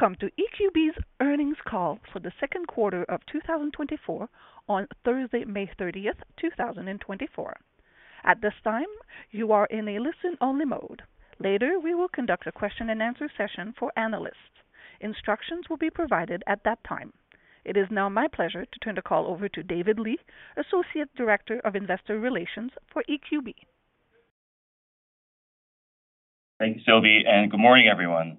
Welcome to EQB's earnings call for the second quarter of 2024 on Thursday, May 30th, 2024. At this time, you are in a listen-only mode. Later, we will conduct a question and answer session for analysts. Instructions will be provided at that time. It is now my pleasure to turn the call over to David Lee, Associate Director of Investor Relations for EQB. Thanks, Sylvie, and good morning, everyone.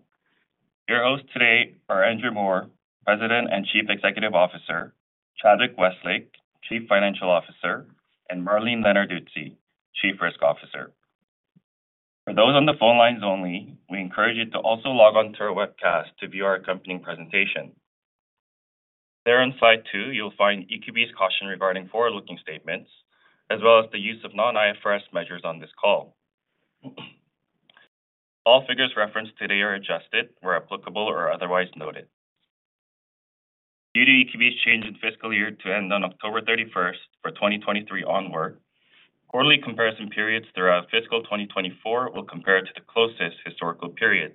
Your hosts today are Andrew Moor, President and Chief Executive Officer, Chadwick Westlake, Chief Financial Officer, and Marlene Lenarduzzi, Chief Risk Officer. For those on the phone lines only, we encourage you to also log on to our webcast to view our accompanying presentation. There on Slide 2, you'll find EQB's caution regarding forward-looking statements, as well as the use of non-IFRS measures on this call. All figures referenced today are adjusted where applicable or otherwise noted. Due to EQB's change in fiscal year to end on October 31st for 2023 onward, quarterly comparison periods throughout fiscal 2024 will compare to the closest historical period.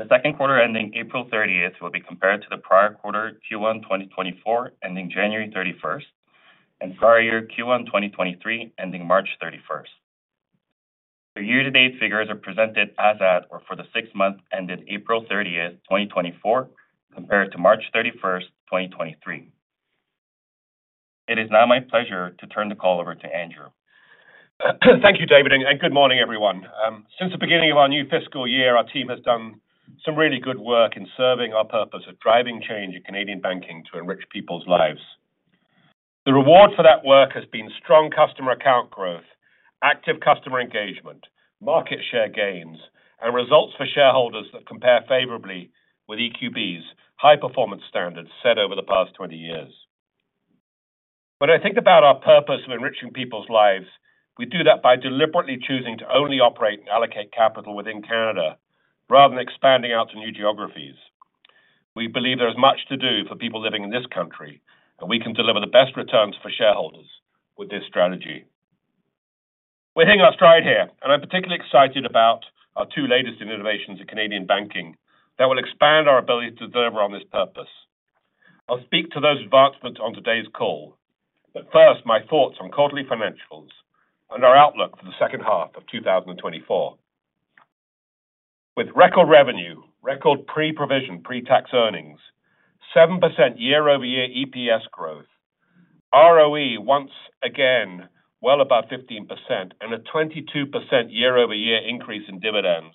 The second quarter ending April 30th will be compared to the prior quarter Q1 2024, ending January 31st, and prior year Q1 2023, ending March 31st. The year-to-date figures are presented as at or for the six months ended April 30th, 2024, compared to March 31st, 2023. It is now my pleasure to turn the call over to Andrew. Thank you, David, and good morning, everyone. Since the beginning of our new fiscal year, our team has done some really good work in serving our purpose of driving change in Canadian banking to enrich people's lives. The reward for that work has been strong customer account growth, active customer engagement, market share gains, and results for shareholders that compare favorably with EQB's high-performance standards set over the past 20 years. When I think about our purpose of enriching people's lives, we do that by deliberately choosing to only operate and allocate capital within Canada rather than expanding out to new geographies. We believe there is much to do for people living in this country, and we can deliver the best returns for shareholders with this strategy. We're hitting our stride here, and I'm particularly excited about our two latest innovations in Canadian banking that will expand our ability to deliver on this purpose. I'll speak to those advancements on today's call, but first, my thoughts on quarterly financials and our outlook for the second half of 2024. With record revenue, record pre-provision, pre-tax earnings, 7% year-over-year EPS growth, ROE once again well above 15%, and a 22% year-over-year increase in dividends,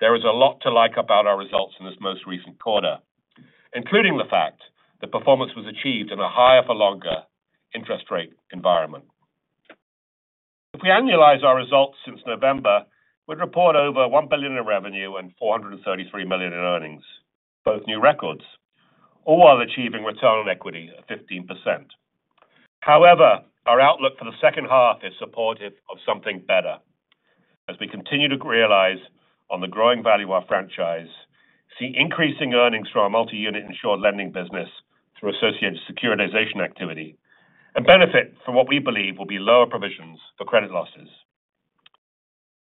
there is a lot to like about our results in this most recent quarter, including the fact that performance was achieved in a higher-for-longer interest rate environment. If we annualize our results since November, we'd report over 1 billion in revenue and 433 million in earnings, both new records, all while achieving return on equity at 15%. However, our outlook for the second half is supportive of something better as we continue to realize on the growing value of our franchise, see increasing earnings from our multi-unit insured lending business through associated securitization activity, and benefit from what we believe will be lower provisions for credit losses.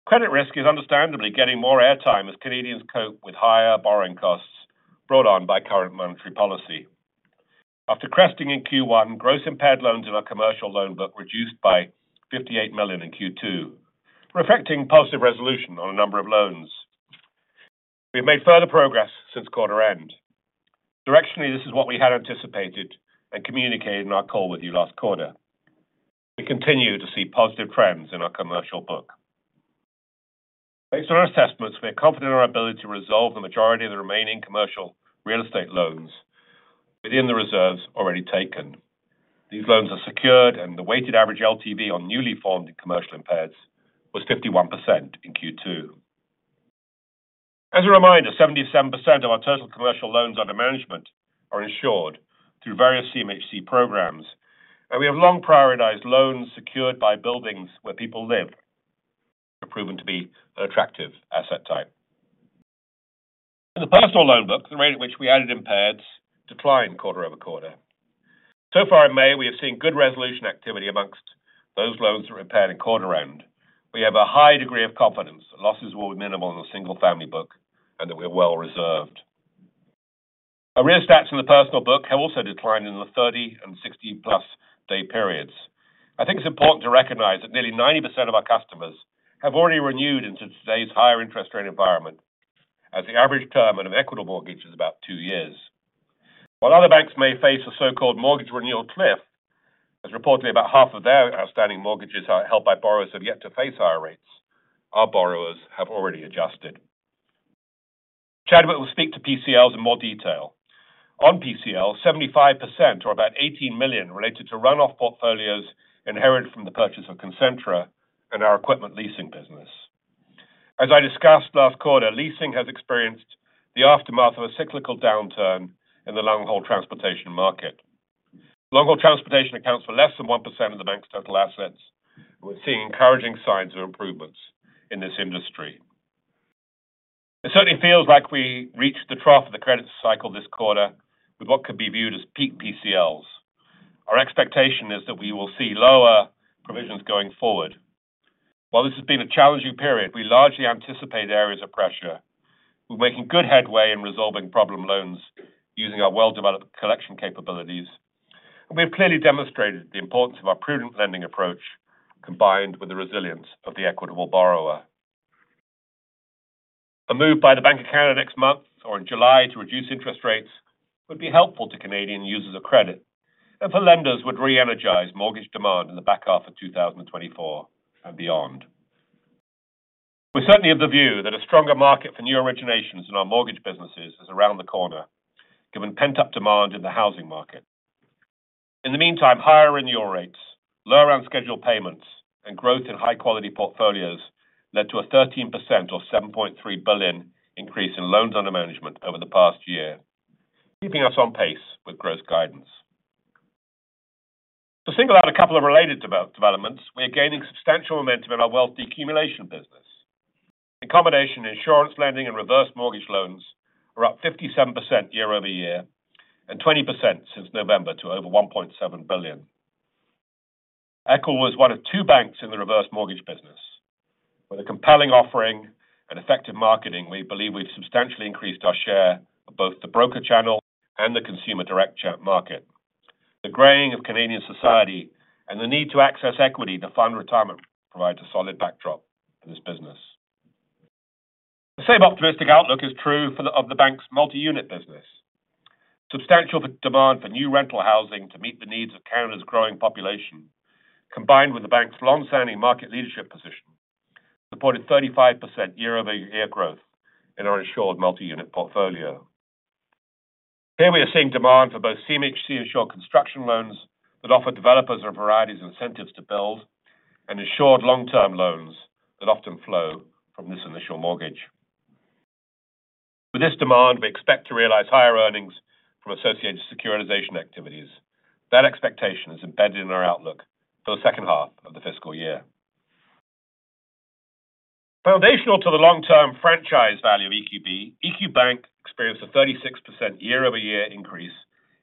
Credit risk is understandably getting more airtime as Canadians cope with higher borrowing costs brought on by current monetary policy. After cresting in Q1, gross impaired loans in our commercial loan book reduced by 58 million in Q2, reflecting positive resolution on a number of loans. We've made further progress since quarter end. Directionally, this is what we had anticipated and communicated in our call with you last quarter. We continue to see positive trends in our commercial book. Based on our assessments, we are confident in our ability to resolve the majority of the remaining commercial real estate loans within the reserves already taken. These loans are secured, and the weighted average LTV on newly formed commercial impaired was 51% in Q2. As a reminder, 77% of our total commercial loans under management are insured through various CMHC programs, and we have long prioritized loans secured by buildings where people live, are proven to be an attractive asset type. In the personal loan book, the rate at which we added impaired declined quarter-over-quarter. So far in May, we have seen good resolution activity among those loans that were impaired in quarter end. We have a high degree of confidence that losses will be minimal in the single-family book and that we are well reserved. Arrears stats in the personal book have also declined in the 30- and 60+ day periods. I think it's important to recognize that nearly 90% of our customers have already renewed into today's higher interest rate environment, as the average term in an Equitable mortgage is about two years. While other banks may face a so-called mortgage renewal cliff, as reportedly about half of their outstanding mortgages are held by borrowers who have yet to face higher rates, our borrowers have already adjusted. Chadwick will speak to PCLs in more detail. On PCL, 75% or about 18 million related to run-off portfolios inherited from the purchase of Concentra and our equipment leasing business. As I discussed last quarter, leasing has experienced the aftermath of a cyclical downturn in the long-haul transportation market. Long-haul transportation accounts for less than 1% of the bank's total assets. We're seeing encouraging signs of improvements in this industry. It certainly feels like we reached the trough of the credit cycle this quarter with what could be viewed as peak PCLs. Our expectation is that we will see lower provisions going forward. While this has been a challenging period, we largely anticipate areas of pressure. We're making good headway in resolving problem loans using our well-developed collection capabilities, and we have clearly demonstrated the importance of our prudent lending approach, combined with the resilience of the Equitable borrower. A move by the Bank of Canada next month or in July to reduce interest rates would be helpful to Canadian users of credit, and for lenders would re-energize mortgage demand in the back half of 2024 and beyond. We're certainly of the view that a stronger market for new originations in our mortgage businesses is around the corner, given pent-up demand in the housing market. In the meantime, higher annual rates, lower on-schedule payments, and growth in high-quality portfolios led to a 13% or 7.3 billion increase in loans under management over the past year, keeping us on pace with growth guidance. To single out a couple of related developments, we are gaining substantial momentum in our wealth accumulation business. Accommodation, insurance, lending, and reverse mortgage loans are up 57% year-over-year and 20% since November to over 1.7 billion. EQB was one of two banks in the reverse mortgage business. With a compelling offering and effective marketing, we believe we've substantially increased our share of both the broker channel and the consumer direct channel market. The graying of Canadian society and the need to access equity to fund retirement provides a solid backdrop for this business. The same optimistic outlook is true for the bank's multi-unit business. Substantial demand for new rental housing to meet the needs of Canada's growing population, combined with the bank's long-standing market leadership position, supported 35% year-over-year growth in our insured multi-unit portfolio. Here we are seeing demand for both CMHC insured construction loans that offer developers a variety of incentives to build, and insured long-term loans that often flow from this initial mortgage. With this demand, we expect to realize higher earnings from associated securitization activities. That expectation is embedded in our outlook for the second half of the fiscal year. Foundational to the long-term franchise value of EQB, EQ Bank experienced a 36% year-over-year increase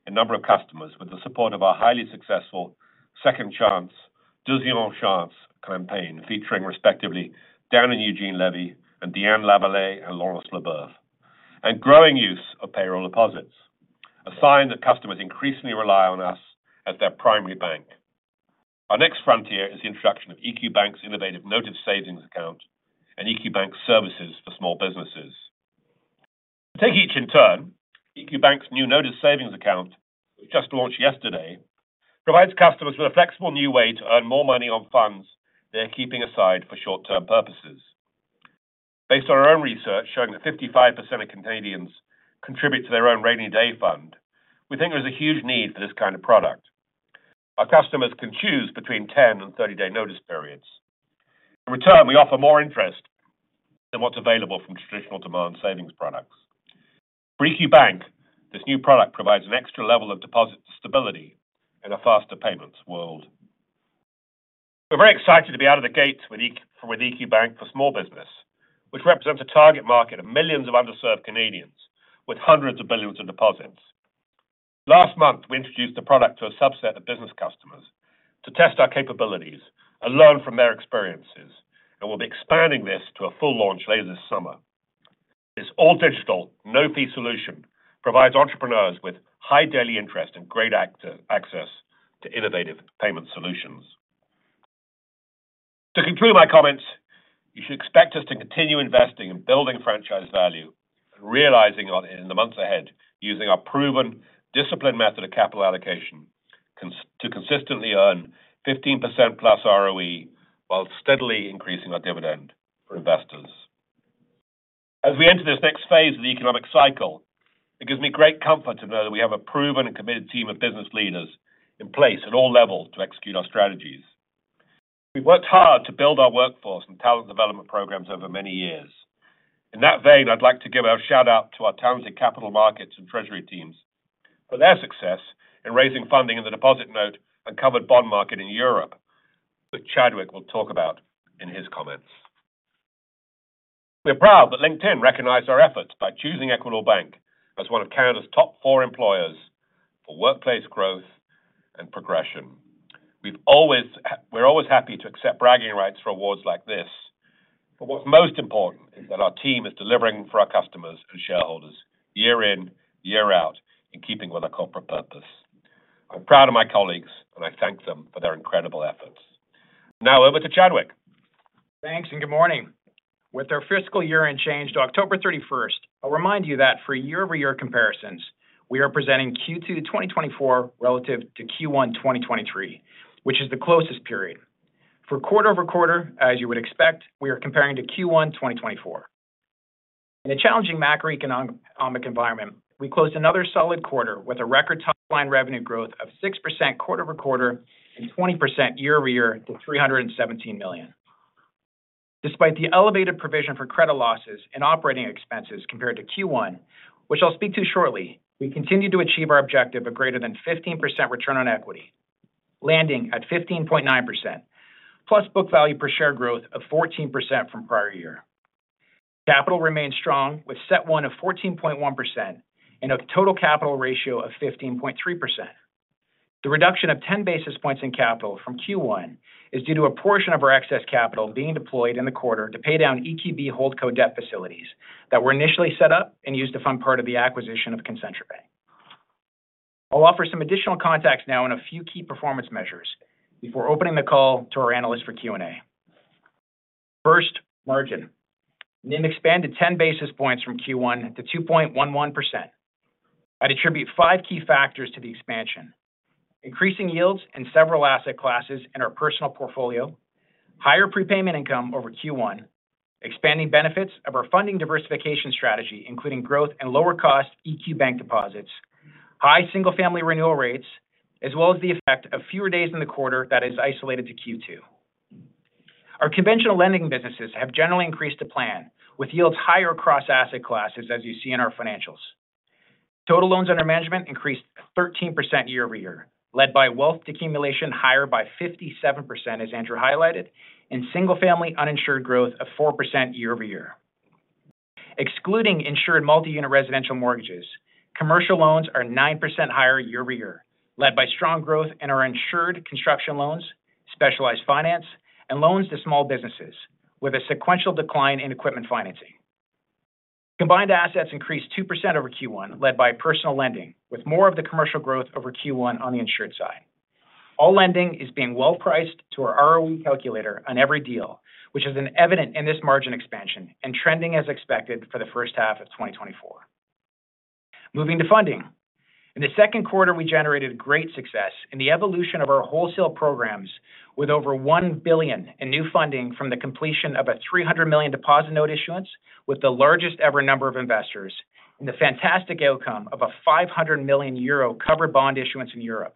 in number of customers with the support of our highly successful Second Chance, Deuxième Chance campaign, featuring respectively Dan and Eugene Levy and Diane Lavallée and Laurence Leboeuf, and growing use of payroll deposits, a sign that customers increasingly rely on us as their primary bank. Our next frontier is the introduction of EQ Bank's innovative Notice Savings Account and EQ Bank services for small businesses. Take each in turn. EQ Bank's new EQ Bank Notice Savings Account, which just launched yesterday, provides customers with a flexible new way to earn more money on funds they're keeping aside for short-term purposes. Based on our own research, showing that 55% of Canadians contribute to their own rainy day fund, we think there's a huge need for this kind of product. Our customers can choose between 10- and 30-day notice periods. In return, we offer more interest than what's available from traditional demand savings products. For EQ Bank, this new product provides an extra level of deposit stability in a faster payments world. We're very excited to be out of the gate with EQ, with EQ Bank for Small Business, which represents a target market of millions of underserved Canadians with hundreds of billions of deposits. Last month, we introduced the product to a subset of business customers to test our capabilities and learn from their experiences, and we'll be expanding this to a full launch later this summer. This all digital, no-fee solution provides entrepreneurs with high daily interest and great access to innovative payment solutions. To conclude my comments, you should expect us to continue investing in building franchise value and realizing on it in the months ahead, using our proven discipline method of capital allocation to consistently earn 15%+ ROE, while steadily increasing our dividend for investors. As we enter this next phase of the economic cycle, it gives me great comfort to know that we have a proven and committed team of business leaders in place at all levels to execute our strategies. We've worked hard to build our workforce and talent development programs over many years. In that vein, I'd like to give a shout-out to our talented capital markets and treasury teams for their success in raising funding in the deposit note and covered bond market in Europe, that Chadwick will talk about in his comments. We're proud that LinkedIn recognized our efforts by choosing Equitable Bank as one of Canada's top four employers for workplace growth and progression. We're always happy to accept bragging rights for awards like this, but what's most important is that our team is delivering for our customers and shareholders year in, year out, in keeping with our corporate purpose. I'm proud of my colleagues, and I thank them for their incredible efforts. Now over to Chadwick. Thanks, and good morning. With our fiscal year end change to October 31st, I'll remind you that for year-over-year comparisons, we are presenting Q2 2024 relative to Q1 2023, which is the closest period. For quarter-over-quarter, as you would expect, we are comparing to Q1 2024. In a challenging macroeconomic environment, we closed another solid quarter with a record top line revenue growth of 6% quarter-over-quarter and 20% year-over-year to 317 million. Despite the elevated provision for credit losses and operating expenses compared to Q1, which I'll speak to shortly, we continued to achieve our objective of greater than 15% return on equity, landing at 15.9%, plus book value per share growth of 14% from prior year. Capital remains strong, with CET1 of 14.1% and a total capital ratio of 15.3%. The reduction of 10 basis points in capital from Q1 is due to a portion of our excess capital being deployed in the quarter to pay down EQB Holdco debt facilities that were initially set up and used to fund part of the acquisition of Concentra Bank. I'll offer some additional context now on a few key performance measures before opening the call to our analyst for Q&A. First, margin. NIM expanded 10 basis points from Q1 to 2.11%. I'd attribute five key factors to the expansion: increasing yields in several asset classes in our principal portfolio, higher prepayment income over Q1, expanding benefits of our funding diversification strategy, including growth and lower cost EQ Bank deposits, high single-family renewal rates, as well as the effect of fewer days in the quarter that is isolated to Q2. Our conventional lending businesses have generally increased to plan, with yields higher across asset classes as you see in our financials. Total loans under management increased 13% year-over-year, led by wealth accumulation higher by 57%, as Andrew highlighted, and single-family uninsured growth of 4% year-over-year. Excluding insured multi-unit residential mortgages, commercial loans are 9% higher year-over-year, led by strong growth in our insured construction loans, specialized finance, and loans to small businesses, with a sequential decline in equipment financing. Combined assets increased 2% over Q1, led by personal lending, with more of the commercial growth over Q1 on the insured side. All lending is being well priced to our ROE calculator on every deal, which is evident in this margin expansion and trending as expected for the first half of 2024. Moving to funding. In the second quarter, we generated great success in the evolution of our wholesale programs with over 1 billion in new funding from the completion of a 300 million deposit note issuance, with the largest-ever number of investors, and the fantastic outcome of a 500 million euro covered bond issuance in Europe,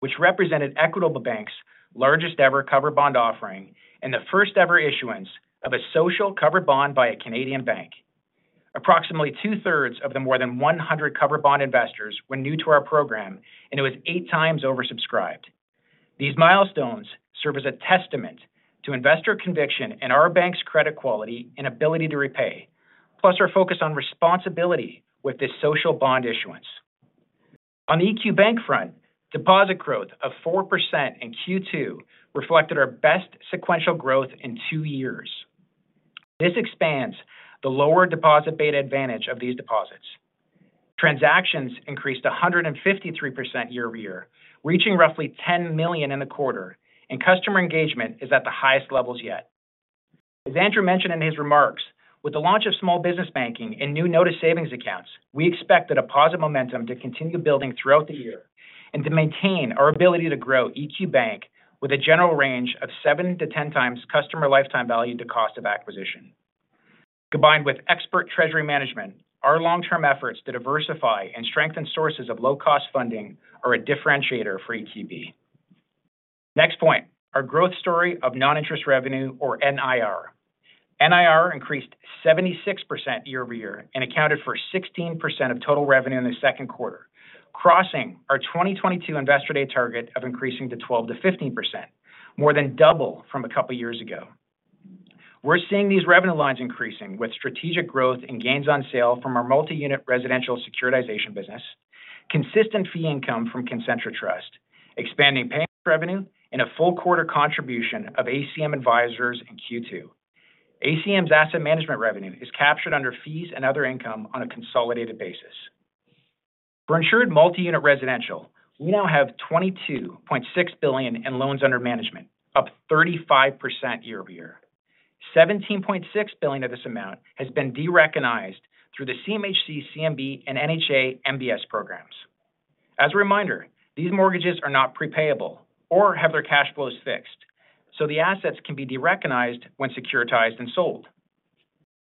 which represented Equitable Bank's largest-ever covered bond offering and the first-ever issuance of a social covered bond by a Canadian bank. Approximately 2/3 of the more than 100 covered bond investors were new to our program, and it was eight times oversubscribed. These milestones serve as a testament to investor conviction in our bank's credit quality and ability to repay, plus our focus on responsibility with this social bond issuance. On the EQ Bank front, deposit growth of 4% in Q2 reflected our best sequential growth in two years. This expands the lower deposit beta advantage of these deposits. Transactions increased 153% year-over-year, reaching roughly 10 million in the quarter, and customer engagement is at the highest levels yet. As Andrew mentioned in his remarks, with the launch of small business banking and new notice savings accounts, we expect the deposit momentum to continue building throughout the year and to maintain our ability to grow EQ Bank with a general range of 7-10 times customer lifetime value to cost of acquisition. Combined with expert treasury management, our long-term efforts to diversify and strengthen sources of low-cost funding are a differentiator for EQB. Next point, our growth story of non-interest revenue, or NIR. NIR increased 76% year-over-year and accounted for 16% of total revenue in the second quarter, crossing our 2022 Investor Day target of increasing to 12%-15%, more than double from a couple of years ago. We're seeing these revenue lines increasing with strategic growth and gains on sale from our multi-unit residential securitization business, consistent fee income from Concentra Trust, expanding payments revenue, and a full quarter contribution of ACM Advisors in Q2. ACM's asset management revenue is captured under fees and other income on a consolidated basis. For insured multi-unit residential, we now have 22.6 billion in loans under management, up 35% year-over-year. 17.6 billion of this amount has been derecognized through the CMHC, CMB, and NHA MBS programs. As a reminder, these mortgages are not prepayable or have their cash flows fixed, so the assets can be derecognized when securitized and sold.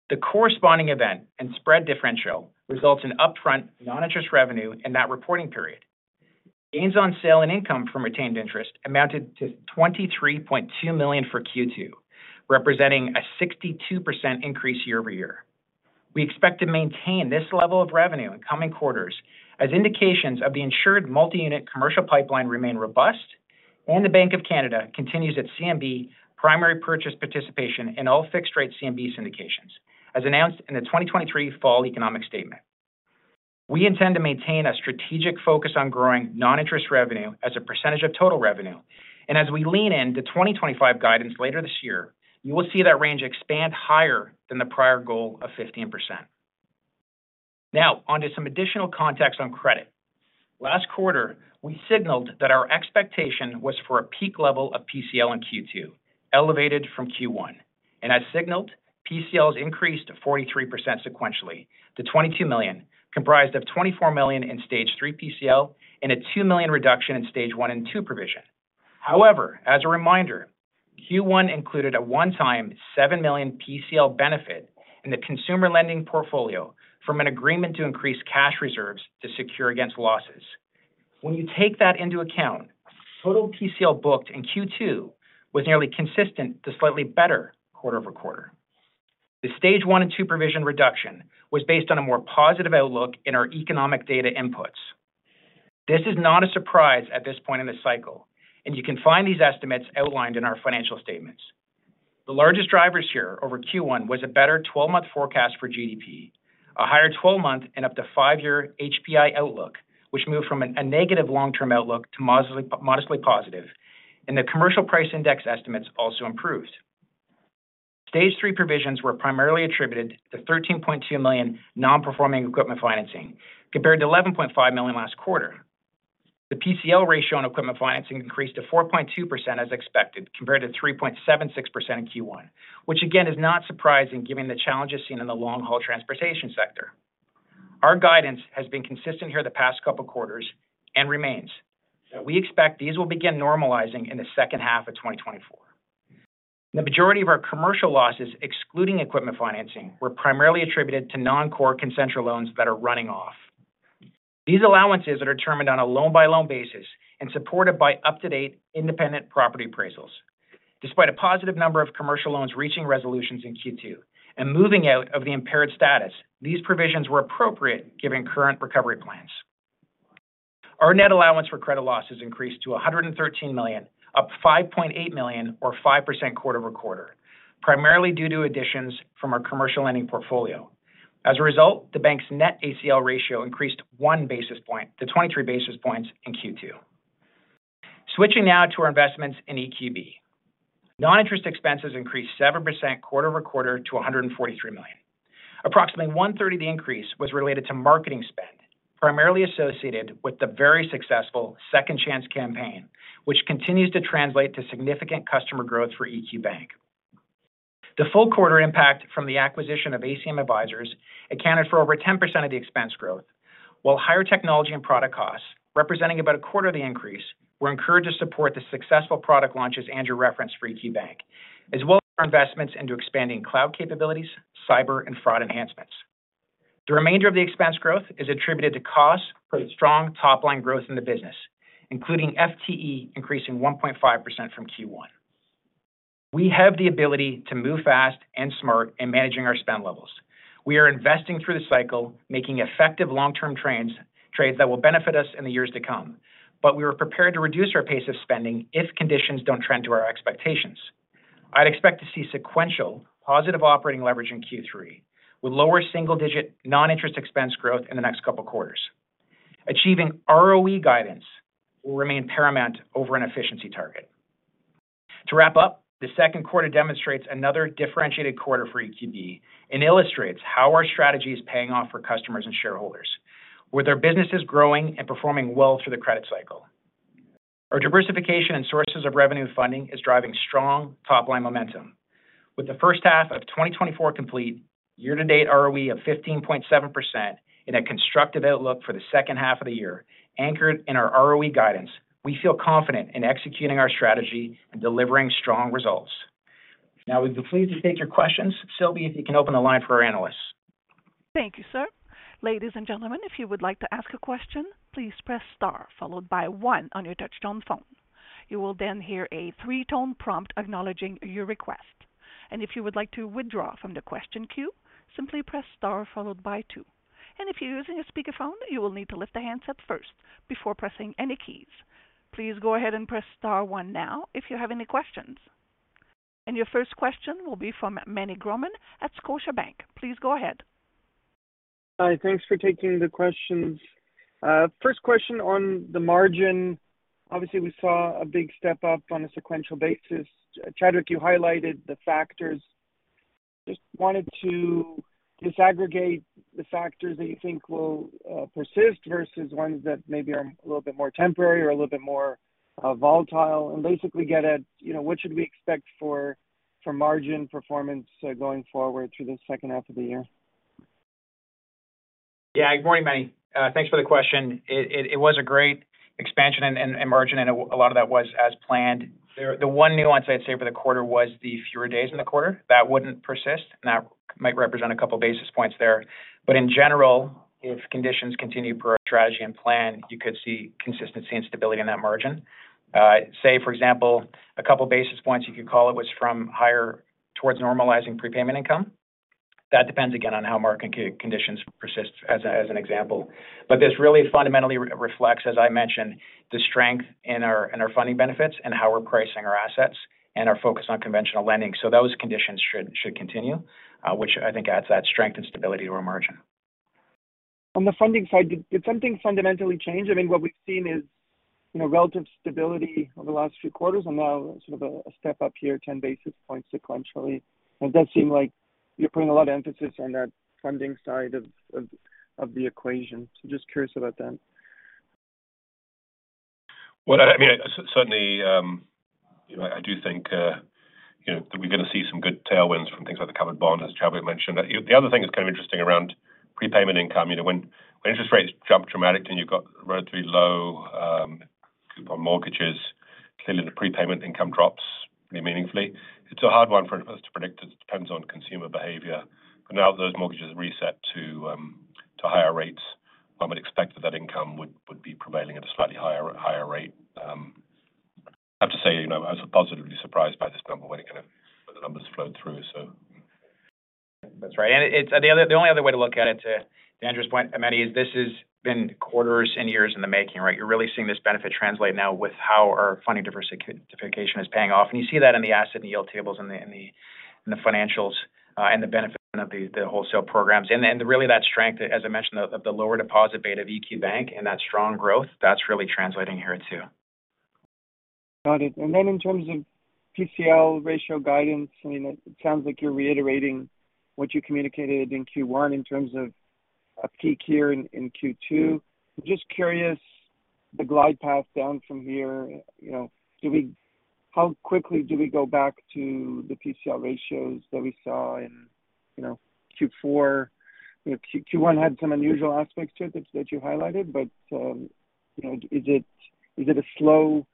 The corresponding event and spread differential results in upfront non-interest revenue in that reporting period. Gains on sale and income from retained interest amounted to 23.2 million for Q2, representing a 62% increase year-over-year. We expect to maintain this level of revenue in coming quarters as indications of the insured multi-unit commercial pipeline remain robust and the Bank of Canada continues its CMB primary purchase participation in all fixed-rate CMB syndications, as announced in the 2023 fall economic statement. We intend to maintain a strategic focus on growing non-interest revenue as a percentage of total revenue, and as we lean in to 2025 guidance later this year, you will see that range expand higher than the prior goal of 15%. Now, onto some additional context on credit. Last quarter, we signaled that our expectation was for a peak level of PCL in Q2, elevated from Q1, and as signaled, PCLs increased 43% sequentially to 22 million, comprised of 24 million in Stage 3 PCL and a 2 million reduction in Stage 1 and 2 provision. However, as a reminder, Q1 included a one-time 7 million PCL benefit in the consumer lending portfolio from an agreement to increase cash reserves to secure against losses. When you take that into account, total PCL booked in Q2 was nearly consistent to slightly better quarter-over-quarter. The Stage 1 and 2 provision reduction was based on a more positive outlook in our economic data inputs. This is not a surprise at this point in the cycle, and you can find these estimates outlined in our financial statements. The largest drivers here over Q1 was a better 12-month forecast for GDP, a higher 12-month and up to five-year HPI outlook, which moved from a negative long-term outlook to modestly, modestly positive, and the commercial price index estimates also improved. Stage 3 provisions were primarily attributed to 13.2 million non-performing equipment financing, compared to 11.5 million last quarter. The PCL ratio on equipment financing increased to 4.2% as expected, compared to 3.76% in Q1, which again, is not surprising given the challenges seen in the long-haul transportation sector. Our guidance has been consistent here the past couple of quarters and remains, that we expect these will begin normalizing in the second half of 2024. The majority of our commercial losses, excluding equipment financing, were primarily attributed to non-core Concentra loans that are running off. These allowances are determined on a loan-by-loan basis and supported by up-to-date independent property appraisals. Despite a positive number of commercial loans reaching resolutions in Q2 and moving out of the impaired status, these provisions were appropriate given current recovery plans. Our net allowance for credit losses increased to 113 million, up 5.8 million or 5% quarter-over-quarter, primarily due to additions from our commercial lending portfolio. As a result, the bank's net ACL ratio increased 1 basis point to 23 basis points in Q2. Switching now to our investments in EQB. Non-interest expenses increased 7% quarter-over-quarter to 143 million. Approximately 1/3 of the increase was related to marketing spend, primarily associated with the very successful Second Chance campaign, which continues to translate to significant customer growth for EQ Bank. The full quarter impact from the acquisition of ACM Advisors accounted for over 10% of the expense growth, while higher technology and product costs, representing about a quarter of the increase, were encouraged to support the successful product launches and our reference for EQ Bank, as well as our investments into expanding cloud capabilities, cyber and fraud enhancements. The remainder of the expense growth is attributed to costs for the strong top-line growth in the business, including FTE, increasing 1.5% from Q1. We have the ability to move fast and smart in managing our spend levels. We are investing through the cycle, making effective long-term trends, trades that will benefit us in the years to come. But we are prepared to reduce our pace of spending if conditions don't trend to our expectations. I'd expect to see sequential positive operating leverage in Q3, with lower single digit non-interest expense growth in the next couple of quarters. Achieving ROE guidance will remain paramount over an efficiency target. To wrap up, the second quarter demonstrates another differentiated quarter for EQB and illustrates how our strategy is paying off for customers and shareholders, with their businesses growing and performing well through the credit cycle. Our diversification and sources of revenue funding is driving strong top-line momentum. With the first half of 2024 complete, year-to-date ROE of 15.7% and a constructive outlook for the second half of the year, anchored in our ROE guidance, we feel confident in executing our strategy and delivering strong results. Now, we'd be pleased to take your questions. Sylvie, if you can open the line for our analysts. Thank you, sir. Ladies and gentlemen, if you would like to ask a question, please press star followed by one on your touchtone phone. You will then hear a three-tone prompt acknowledging your request. And if you would like to withdraw from the question queue, simply press star followed by two. And if you're using a speakerphone, you will need to lift the handset first before pressing any keys. Please go ahead and press star one now if you have any questions. And your first question will be from Meny Grauman at Scotiabank. Please go ahead. Hi, thanks for taking the questions. First question on the margin. Obviously, we saw a big step up on a sequential basis. Chadwick, you highlighted the factors. Just wanted to disaggregate the factors that you think will persist versus ones that maybe are a little bit more temporary or a little bit more volatile, and basically get at, you know, what should we expect for margin performance going forward through the second half of the year? Yeah. Good morning, Meny. Uh, thanks for the question. It was a great expansion and margin, and a lot of that was as planned. The one nuance I'd say for the quarter was the fewer days in the quarter. That wouldn't persist, and that might represent a couple of basis points there. But in general, if conditions continue per our strategy and plan, you could see consistency and stability in that margin. Uh, say, for example, a couple of basis points you could call it, was from higher towards normalizing prepayment income. That depends, again, on how market conditions persist, as an example. But this really fundamentally reflects, as I mentioned, the strength in our funding benefits and how we're pricing our assets and our focus on conventional lending. So those conditions should continue, which I think adds that strength and stability to our margin. On the funding side, did something fundamentally change? I mean, what we've seen is, you know, relative stability over the last few quarters, and now sort of a step up here, 10 basis points sequentially. It does seem like you're putting a lot of emphasis on that funding side of the equation. So just curious about that. Well, I mean, certainly, you know, I do think, you know, that we're gonna see some good tailwinds from things like the covered bond, as Chadwick mentioned. The other thing that's kind of interesting around prepayment income, you know, when interest rates jump dramatically and you've got relatively low coupon mortgages, clearly the prepayment income drops pretty meaningfully. It's a hard one for us to predict. It depends on consumer behavior. But now that those mortgages reset to higher rates, one would expect that that income would be prevailing at a slightly higher rate. I have to say, you know, I was positively surprised by this number when, kind of, the numbers flowed through, so. That's right. And it's the only other way to look at it, to Andrew's point, Meny, is this has been quarters and years in the making, right? You're really seeing this benefit translate now with how our funding diversification is paying off. And you see that in the asset and yield tables and the financials, and the benefit of the wholesale programs. And then really that strength, as I mentioned, of the lower deposit beta of EQ Bank and that strong growth, that's really translating here, too. Got it. And then in terms of PCL ratio guidance, I mean, it sounds like you're reiterating what you communicated in Q1 in terms of a peak here in Q2. Just curious, the glide path down from here, you know, do we, how quickly do we go back to the PCL ratios that we saw in, you know, Q4? You know, Q1 had some unusual aspects to it that you highlighted, but, you know, is it a slow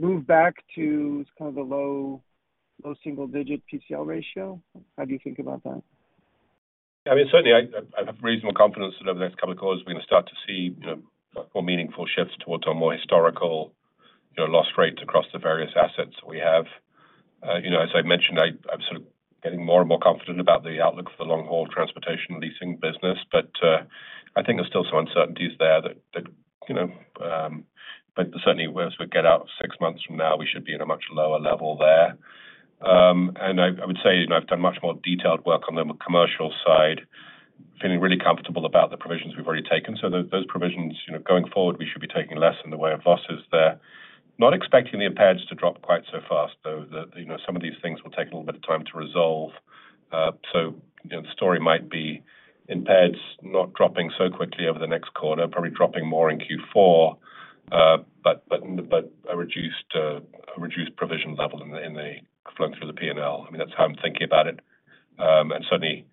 move back to kind of the low, low single digit PCL ratio? How do you think about that? I mean, certainly I have reasonable confidence that over the next couple of quarters, we're going to start to see, you know, more meaningful shifts towards our more historical, you know, loss rate across the various assets we have. You know, as I mentioned, I'm sort of getting more and more confident about the outlook for the long-haul transportation leasing business, but I think there's still some uncertainties there that you know. But certainly as we get out six months from now, we should be in a much lower level there. And I would say, you know, I've done much more detailed work on the commercial side, feeling really comfortable about the provisions we've already taken. So those provisions, you know, going forward, we should be taking less in the way of losses there. Not expecting the impairments to drop quite so fast, though, that, you know, some of these things will take a little bit of time to resolve. So, you know, the story might be impaired, not dropping so quickly over the next quarter, probably dropping more in Q4, but a reduced provision level in the flow through the P&L. I mean, that's how I'm thinking about it. And certainly,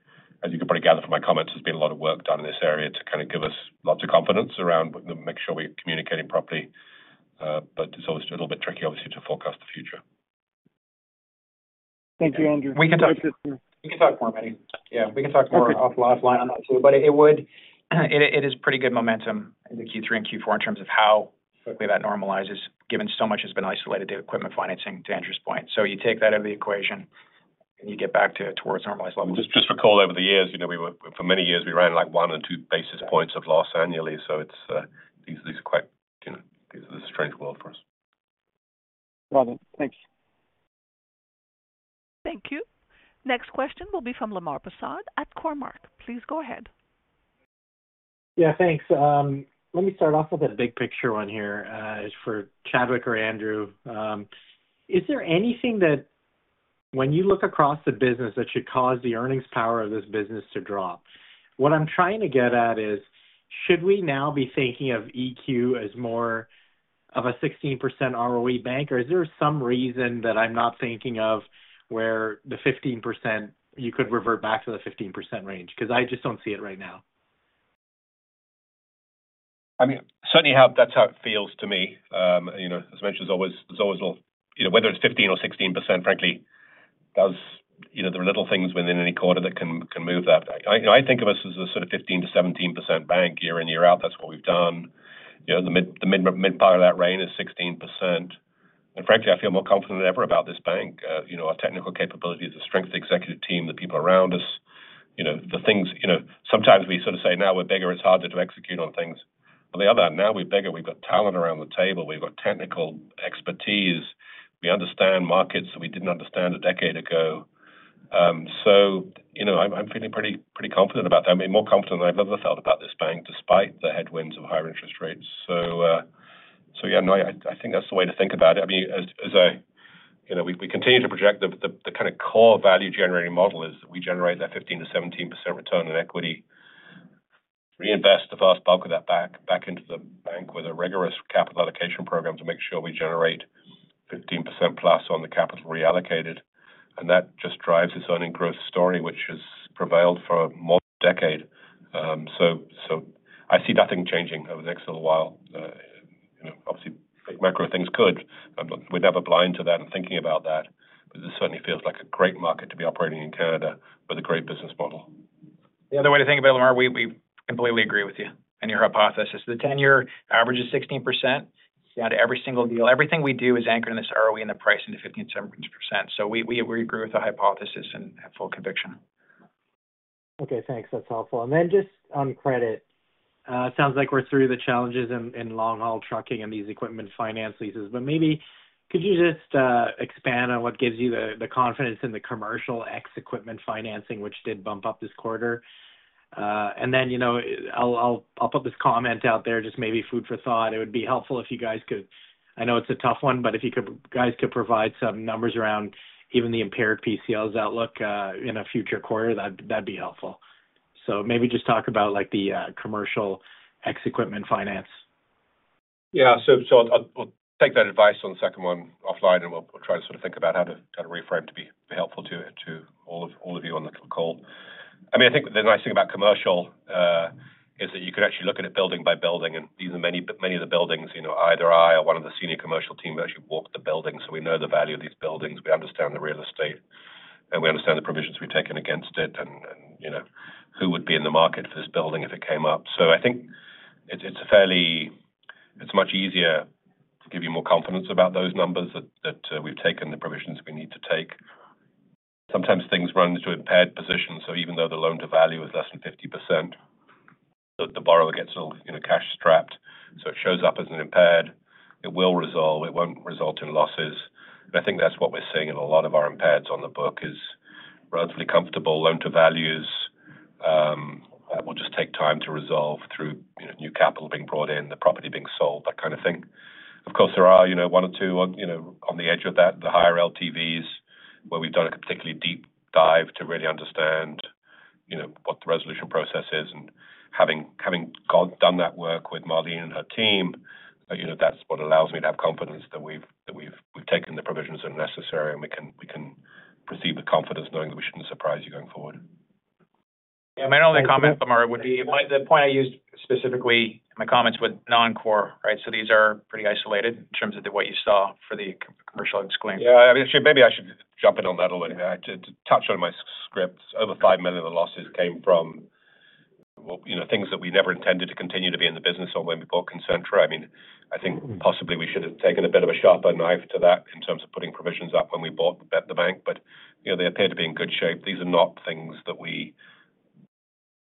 as you can probably gather from my comments, there's been a lot of work done in this area to kind of give us lots of confidence around, make sure we're communicating properly, but it's always a little bit tricky, obviously, to forecast the future. Thank you, Andrew. We can talk. Thanks. We can talk more, Meny. Yeah, we can talk more. Okay. Off the last line on that, too. But it is pretty good momentum in the Q3 and Q4 in terms of how quickly that normalizes, given so much has been isolated to equipment financing, to Andrew's point. So you take that out of the equation, and you get back to towards normalized levels. Just recall over the years, you know, we were for many years, we ran like 1 or 2 basis points of loss annually. So it's, these are quite, you know, these are a strange world for us. Got it. Thank you. Thank you. Next question will be from Lemar Persaud at Cormark. Please go ahead. Yeah, thanks. Let me start off with a big picture one here, is for Chadwick or Andrew. Is there anything that when you look across the business that should cause the earnings power of this business to drop? What I'm trying to get at is, should we now be thinking of EQ as more of a 16% ROE bank, or is there some reason that I'm not thinking of where the 15%, you could revert back to the 15% range? Because I just don't see it right now. I mean, certainly how that's how it feels to me. You know, as mentioned, there's always, there's always little. You know, whether it's 15% or 16%, frankly, does. You know, there are little things within any quarter that can move that. I think of us as a sort of 15%-17% bank year in, year out. That's what we've done. You know, the mid part of that range is 16%. And frankly, I feel more confident than ever about this bank. You know, our technical capabilities, the strength of the executive team, the people around us, you know, the things. You know, sometimes we sort of say, now we're bigger, it's harder to execute on things. On the other hand, now we're bigger, we've got talent around the table, we've got technical expertise. We understand markets that we didn't understand a decade ago. So you know, I'm feeling pretty confident about that. I mean, more confident than I've ever felt about this bank, despite the headwinds of higher interest rates. So yeah, no, I think that's the way to think about it. I mean, as I, you know, we continue to project the kind of core value-generating model is that we generate that 15%-17% return on equity, reinvest the first bulk of that back into the bank with a rigorous capital allocation program to make sure we generate 15%+ on the capital reallocated. And that just drives its own growth story, which has prevailed for more decade. So I see nothing changing over the next little while. You know, obviously, macro things could, but we're never blind to that and thinking about that, but this certainly feels like a great market to be operating in Canada with a great business model. The other way to think about it, Lemar, we, we completely agree with you and your hypothesis. The 10-year average is 16% down to every single deal. Everything we do is anchored in this ROE, in the price into 15%, 17%. So we, we agree with the hypothesis and have full conviction. Okay, thanks. That's helpful. And then just on credit, it sounds like we're through the challenges in long-haul trucking and these equipment finance leases. But maybe could you just expand on what gives you the confidence in the commercial ex-equipment financing, which did bump up this quarter? And then, you know, I'll put this comment out there, just maybe food for thought. It would be helpful if you guys could, I know it's a tough one, but if you could guys could provide some numbers around even the impaired PCLs outlook in a future quarter, that'd be helpful. So maybe just talk about, like, the commercial ex-equipment finance. Yeah. So I'll take that advice on the second one offline, and we'll try to sort of think about how to reframe to be helpful to all of you on the call. I mean, I think the nice thing about commercial is that you can actually look at it building by building, and even many of the buildings, you know, either I or one of the senior commercial team actually walked the building. So we know the value of these buildings, we understand the real estate, and we understand the provisions we've taken against it, and you know, who would be in the market for this building if it came up. So I think it's a fairly. It's much easier to give you more confidence about those numbers that we've taken the provisions we need to take. Sometimes things run into impaired positions, so even though the loan-to-value is less than 50%, the borrower gets all, you know, cash strapped, so it shows up as an impaired. It will resolve, it won't result in losses. And I think that's what we're seeing in a lot of our impairs on the book is relatively comfortable loan-to-values. That will just take time to resolve through, you know, new capital being brought in, the property being sold, that kind of thing. Of course, there are, you know, one or two on, you know, on the edge of that, the higher LTVs, where we've done a particularly deep dive to really understand, you know, what the resolution process is. Having done that work with Marlene and her team, you know, that's what allows me to have confidence that we've taken the provisions that are necessary, and we can proceed with confidence, knowing that we shouldn't surprise you going forward. Yeah, my only comment, Lemar, would be the point I used specifically in my comments with non-core, right? So these are pretty isolated in terms of the what you saw for the commercial explanation. Yeah, I mean, sure, maybe I should jump in on that a little bit. I did touch on my script. Over 5 million of the losses came from you know, things that we never intended to continue to be in the business or when we bought Concentra. I mean, I think possibly we should have taken a bit of a sharper knife to that in terms of putting provisions up when we bought the, the bank, but, you know, they appear to be in good shape. These are not things that we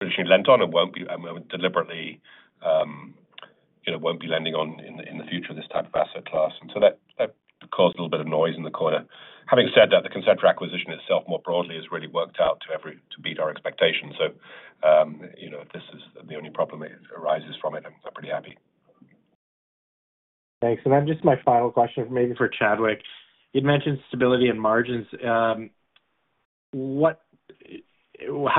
traditionally lent on and won't be. And we deliberately, you know, won't be lending on in, in the future, this type of asset class. And so that, that caused a little bit of noise in the quarter. Having said that, the Concentra acquisition itself, more broadly, has really worked out to beat our expectations. You know, if this is the only problem it arises from it, I'm pretty happy. Thanks. And then just my final question, maybe for Chadwick. You'd mentioned stability and margins. How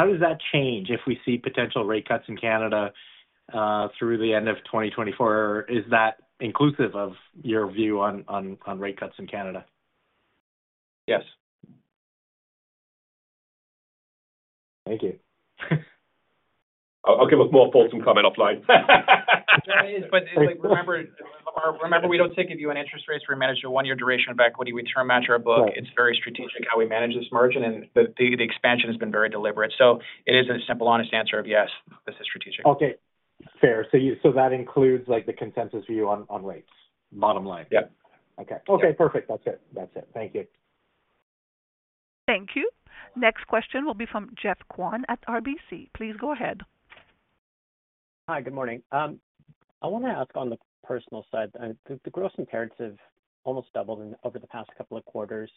does that change if we see potential rate cuts in Canada through the end of 2024? Is that inclusive of your view on rate cuts in Canada? Yes. Thank you. I'll give a more fulsome comment offline. Remember, remember, we don't take a view on interest rates. We manage a one-year duration of equity. We term match our book. Right. It's very strategic how we manage this margin, and the expansion has been very deliberate. So it isn't a simple, honest answer of yes, this is strategic. Okay, fair. So that includes, like, the consensus view on, on rates? Bottom line, yeah. Okay. Okay, perfect. That's it. That's it. Thank you. Thank you. Next question will be from Geoff Kwan at RBC. Please go ahead. Hi, good morning. I want to ask on the personal side, the gross impairments have almost doubled over the past couple of quarters.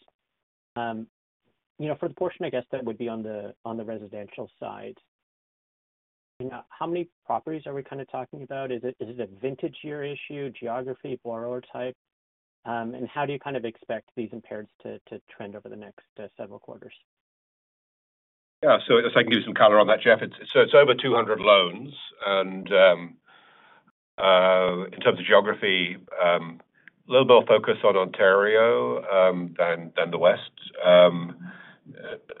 You know, for the portion, I guess, that would be on the residential side, how many properties are we kind of talking about? Is it a vintage year issue, geography, borrower type? And how do you kind of expect these impairments to trend over the next several quarters? Yeah. So if I can give some color on that, Geoff. It's over 200 loans, and in terms of geography, a little more focus on Ontario than the West.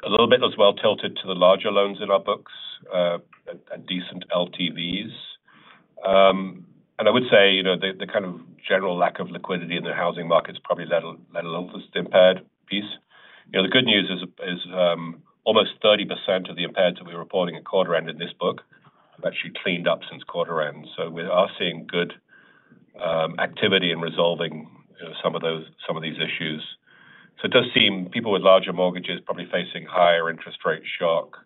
A little bit as well tilted to the larger loans in our books, and decent LTVs. And I would say, you know, the kind of general lack of liquidity in the housing market is probably let alone this impaired piece. You know, the good news is almost 30% of the impairs that we're reporting at quarter end in this book have actually cleaned up since quarter end. So we are seeing good activity in resolving, you know, some of these issues. So it does seem people with larger mortgages probably facing higher interest rate shock,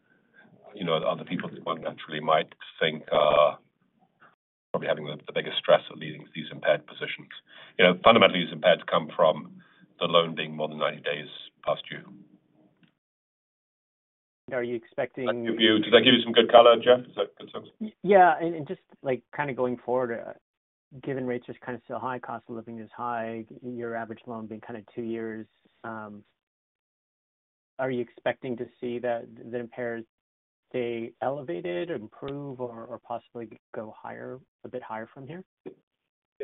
you know, other people that one naturally might think are probably having the biggest stress of leading these impaired positions. You know, fundamentally, these impaired come from the loan being more than 90 days past due. Are you expecting? Did that give you some good color, Jeff? Is that consensus? Yeah, and just, like, kind of going forward, given rates are kind of still high, cost of living is high, your average loan being kind of two years, are you expecting to see that the impairments stay elevated, or improve, or possibly go higher, a bit higher from here?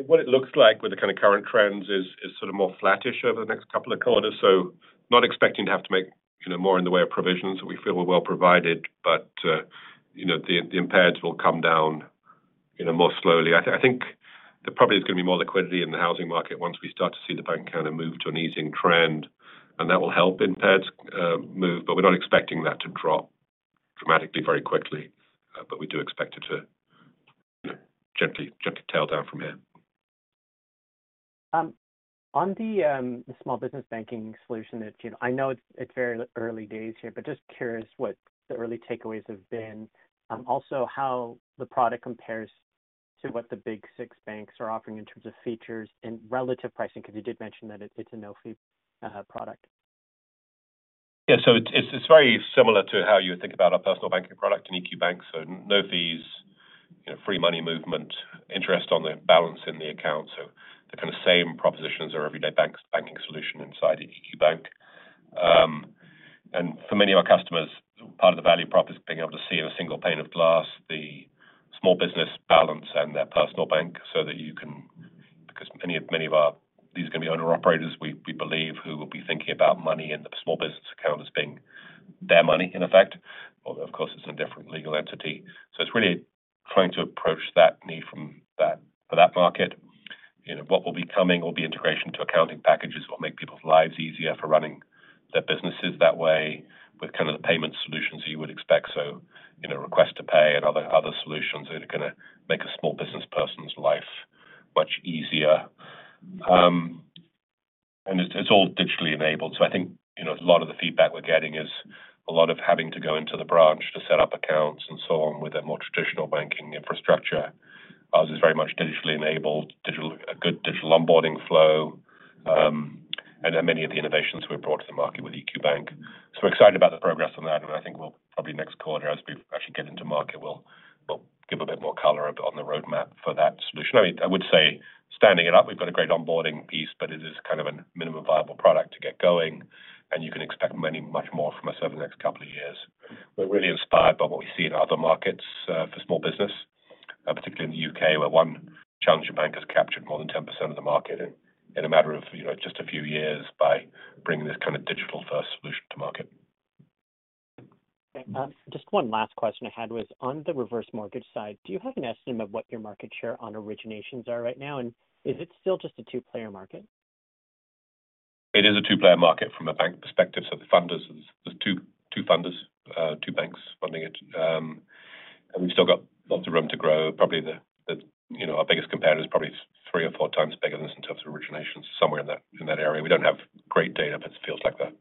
What it looks like with the kind of current trends is sort of more flattish over the next couple of quarters. So not expecting to have to make, you know, more in the way of provisions. We feel we're well provided, but, you know, the impaireds will come down, you know, more slowly. I think there probably is going to be more liquidity in the housing market once we start to see the Bank of Canada move to an easing trend, and that will help impaireds move, but we're not expecting that to drop dramatically very quickly. But we do expect it to, you know, gently tail down from here. On the small business banking solution that, you know, I know it's, it's very early days here, but just curious what the early takeaways have been, also how the product compares to what the big six banks are offering in terms of features and relative pricing, because you did mention that it's a no-fee product. Yeah. So it's, it's very similar to how you would think about our personal banking product in EQ Bank. So no fees, you know, free money movement, interest on the balance in the account. So the kind of same propositions our everyday banks, banking solution inside EQ Bank. And for many of our customers, part of the value prop is being able to see in a single pane of glass, the small business balance and their personal bank, so that you can, because many of, many of our, these are going to be owner-operators, we, we believe, who will be thinking about money in the small business account as being their money, in effect, although, of course, it's a different legal entity. So it's really trying to approach that need from that, for that market. You know, what will be coming will be integration to accounting packages, what make people's lives easier for running their businesses that way, with kind of the payment solutions you would expect. So, you know, request to pay and other, other solutions that are gonna make a small business person's life much easier. And it's, it's all digitally enabled. So I think, you know, a lot of the feedback we're getting is a lot of having to go into the branch to set up accounts and so on, with a more traditional banking infrastructure. Ours is very much digitally enabled, digital, a good digital onboarding flow, and then many of the innovations we've brought to the market with EQ Bank. So we're excited about the progress on that, and I think we'll probably next quarter, as we actually get into market, we'll give a bit more color on the roadmap for that solution. I mean, I would say standing it up, we've got a great onboarding piece, but it is kind of a minimum viable product to get going, and you can expect much more from us over the next couple of years. We're really inspired by what we see in other markets for small business, particularly in the U.K., where one challenger bank has captured more than 10% of the market in a matter of, you know, just a few years by bringing this kind of digital-first solution to market. Okay. Just one last question I had was: On the reverse mortgage side, do you have an estimate of what your market share on originations are right now? And is it still just a two-player market? It is a two-player market from a bank perspective. So the funders, there's two, two funders, two banks funding it. We've still got lots of room to grow. Probably the, you know, our biggest competitor is probably three or four times bigger than us in terms of originations, somewhere in that area. We don't have great data, but it feels like that.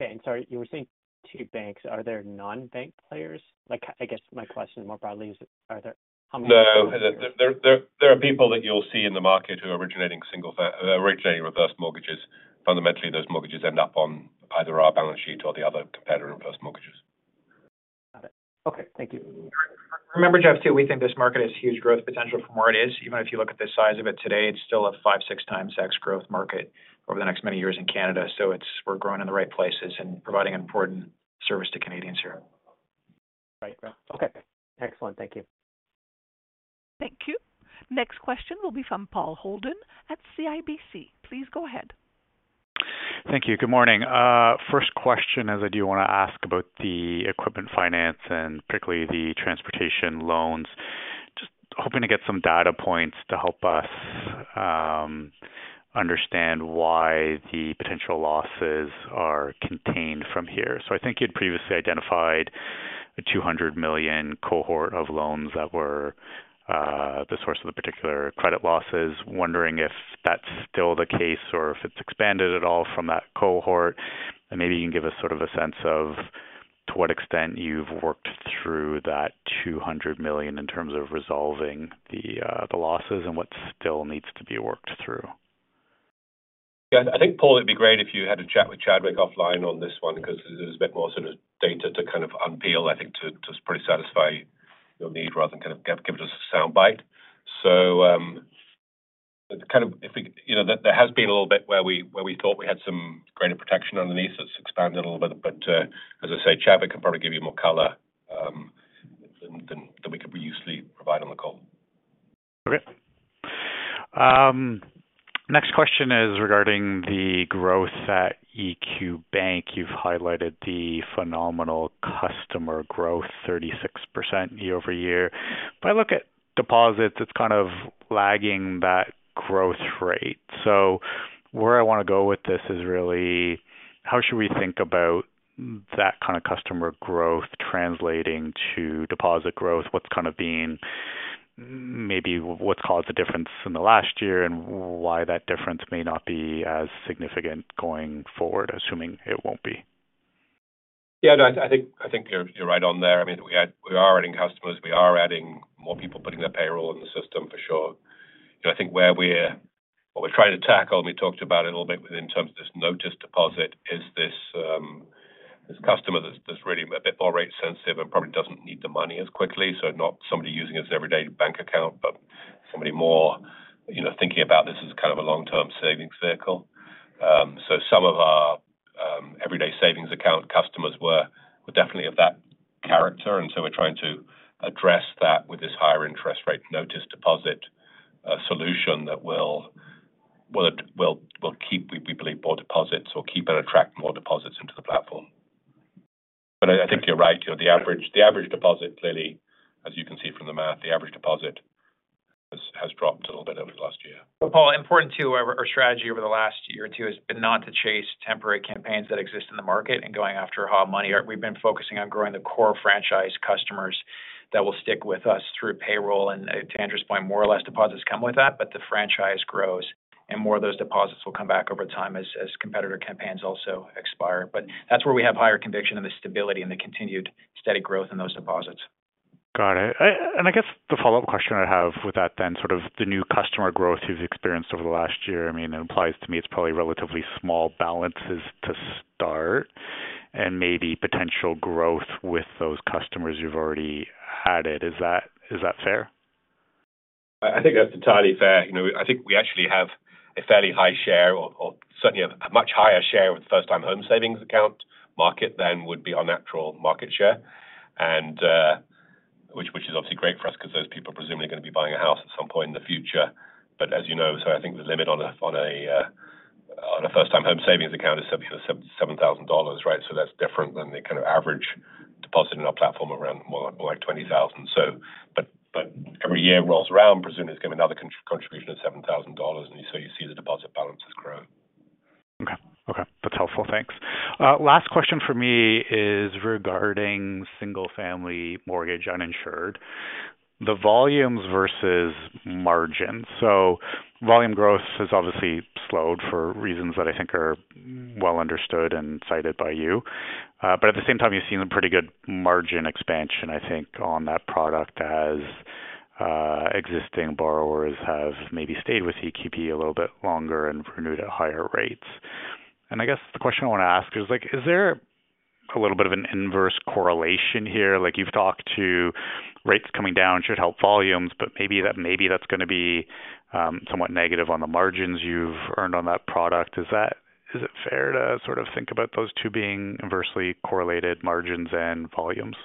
Okay, and sorry, you were saying two banks. Are there non-bank players? Like, I, I guess my question more broadly is, are there, how many? No, there are people that you'll see in the market who are originating reverse mortgages. Fundamentally, those mortgages end up on either our balance sheet or the other competitor reverse mortgages. Got it. Okay, thank you. Remember, Geoff, too, we think this market has huge growth potential from where it is. Even if you look at the size of it today, it's still a 5x-6x growth market over the next many years in Canada. So it's. We're growing in the right places and providing an important service to Canadians here. Right. Okay, excellent. Thank you. Thank you. Next question will be from Paul Holden at CIBC. Please go ahead. Thank you. Good morning. First question is, I do wanna ask about the equipment finance and particularly the transportation loans. Just hoping to get some data points to help us understand why the potential losses are contained from here. So I think you'd previously identified a 200 million cohort of loans that were the source of the particular credit losses. Wondering if that's still the case or if it's expanded at all from that cohort. And maybe you can give us sort of a sense of to what extent you've worked through that 200 million in terms of resolving the losses and what still needs to be worked through. Yeah, I think, Paul, it'd be great if you had a chat with Chadwick offline on this one, because there's a bit more sort of data to kind of unveil, I think, to, to pretty satisfy your need rather than kind of give, give it as a soundbite. So, kind of, I think, you know, there, there has been a little bit where we, where we thought we had some greater protection underneath. It's expanded a little bit, but, as I say, Chadwick can probably give you more color, than, than, than we could usefully provide on the call. Okay. Next question is regarding the growth at EQ Bank. You've highlighted the phenomenal customer growth, 36% year-over-year. But I look at deposits, it's kind of lagging that growth rate. So where I wanna go with this is really, how should we think about that kind of customer growth translating to deposit growth? What's kind of been, maybe what's caused the difference from the last year, and why that difference may not be as significant going forward, assuming it won't be? Yeah, no, I think, I think you're, you're right on there. I mean, we are adding customers, we are adding more people putting their payroll in the system, for sure. You know, I think what we're trying to tackle, and we talked about it a little bit within terms of this notice deposit, is this, this customer that's, that's really a bit more rate sensitive and probably doesn't need the money as quickly. So not somebody using his everyday bank account, but somebody more, you know, thinking about this as kind of a long-term savings vehicle. So some of our everyday savings account customers were definitely of that character, and so we're trying to address that with this higher interest rate notice deposit, a solution that will keep, we believe, more deposits, or keep and attract more deposits into the platform. But I think you're right. You know, the average deposit, clearly, as you can see from the math, the average deposit has dropped a little bit over the last year. But Paul, important too, our strategy over the last year or two has been not to chase temporary campaigns that exist in the market and going after hard money. We've been focusing on growing the core franchise customers that will stick with us through payroll. And to Andrew's point, more or less deposits come with that, but the franchise grows, and more of those deposits will come back over time as competitor campaigns also expire. But that's where we have higher conviction in the stability and the continued steady growth in those deposits. Got it. And I guess the follow-up question I have with that then, sort of the new customer growth you've experienced over the last year, I mean, it implies to me it's probably relatively small balances to start and maybe potential growth with those customers you've already added. Is that, is that fair? I think that's entirely fair. You know, I think we actually have a fairly high share or, or certainly a much higher share with First Home Savings Account market than would be our natural market share. And which is obviously great for us, because those people are presumably going to be buying a house at some point in the future. But as you know, so I think the limit on a, on a, on a First Home Savings Account is 7,000 dollars, right? So that's different than the kind of average deposit in our platform around more, more like 20,000. So but, but every year it rolls around, presumably it's giving another contribution of 7,000 dollars, and so you see the deposit balances grow. Okay, okay, that's helpful. Thanks. Last question for me is regarding single-family mortgage uninsured, the volumes versus margin. So volume growth has obviously slowed for reasons that I think are well understood and cited by you. But at the same time, you've seen a pretty good margin expansion, I think, on that product as existing borrowers have maybe stayed with EQB a little bit longer and renewed at higher rates. And I guess the question I want to ask is, like, is there a little bit of an inverse correlation here? Like, you've talked to rates coming down should help volumes, but maybe that, maybe that's gonna be somewhat negative on the margins you've earned on that product. Is that, is it fair to sort of think about those two being inversely correlated margins and volumes?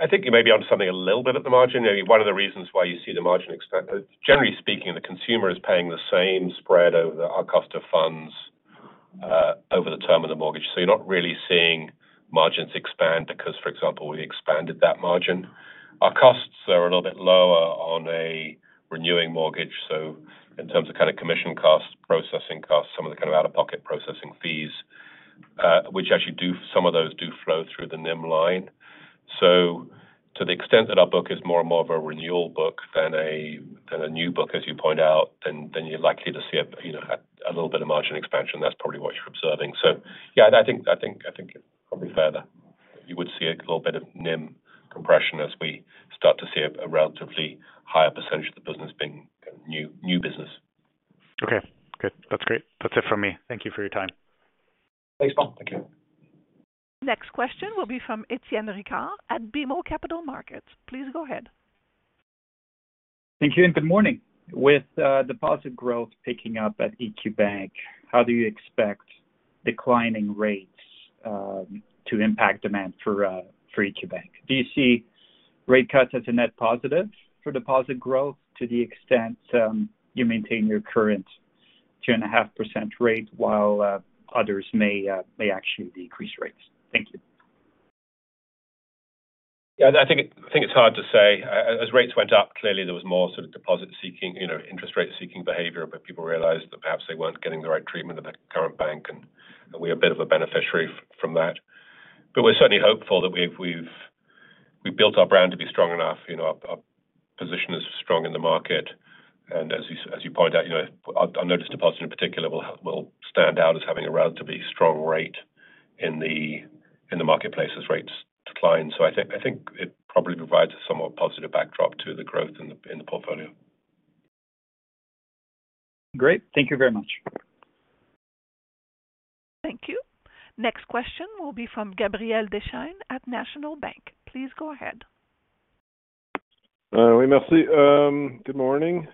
I think you may be onto something a little bit at the margin. I mean, one of the reasons why you see the margin expand, generally speaking, the consumer is paying the same spread over our cost of funds, over the term of the mortgage. So you're not really seeing margins expand because, for example, we expanded that margin. Our costs are a little bit lower on a renewing mortgage, so in terms of kind of commission costs, processing costs, some of the kind of out-of-pocket processing fees, which actually do, some of those do flow through the NIM line. So to the extent that our book is more and more of a renewal book than a new book, as you point out, then you're likely to see a, you know, a little bit of margin expansion. That's probably what you're observing. So yeah, I think it's probably fair that you would see a little bit of NIM compression as we start to see a relatively higher percentage of the business being new business. Okay, good. That's great. That's it from me. Thank you for your time. Thanks, Paul. Thank you. Next question will be from Etienne Ricard at BMO Capital Markets. Please go ahead. Thank you, and good morning. With deposit growth picking up at EQ Bank, how do you expect declining rates to impact demand for EQ Bank? Do you see rate cuts as a net positive for deposit growth to the extent you maintain your current 2.5% rate while others may actually decrease rates? Thank you. Yeah, I think it's hard to say. As rates went up, clearly there was more sort of deposit seeking, you know, interest rate seeking behavior, but people realized that perhaps they weren't getting the right treatment at their current bank, and we are a bit of a beneficiary from that. But we're certainly hopeful that we've built our brand to be strong enough. You know, our position is strong in the market, and as you pointed out, you know, our notice deposit in particular will stand out as having a relatively strong rate in the marketplace as rates decline. So I think it probably provides a somewhat positive backdrop to the growth in the portfolio. Great. Thank you very much. Thank you. Next question will be from Gabriel Dechaine at National Bank. Please go ahead. Oui, merci. Good morning.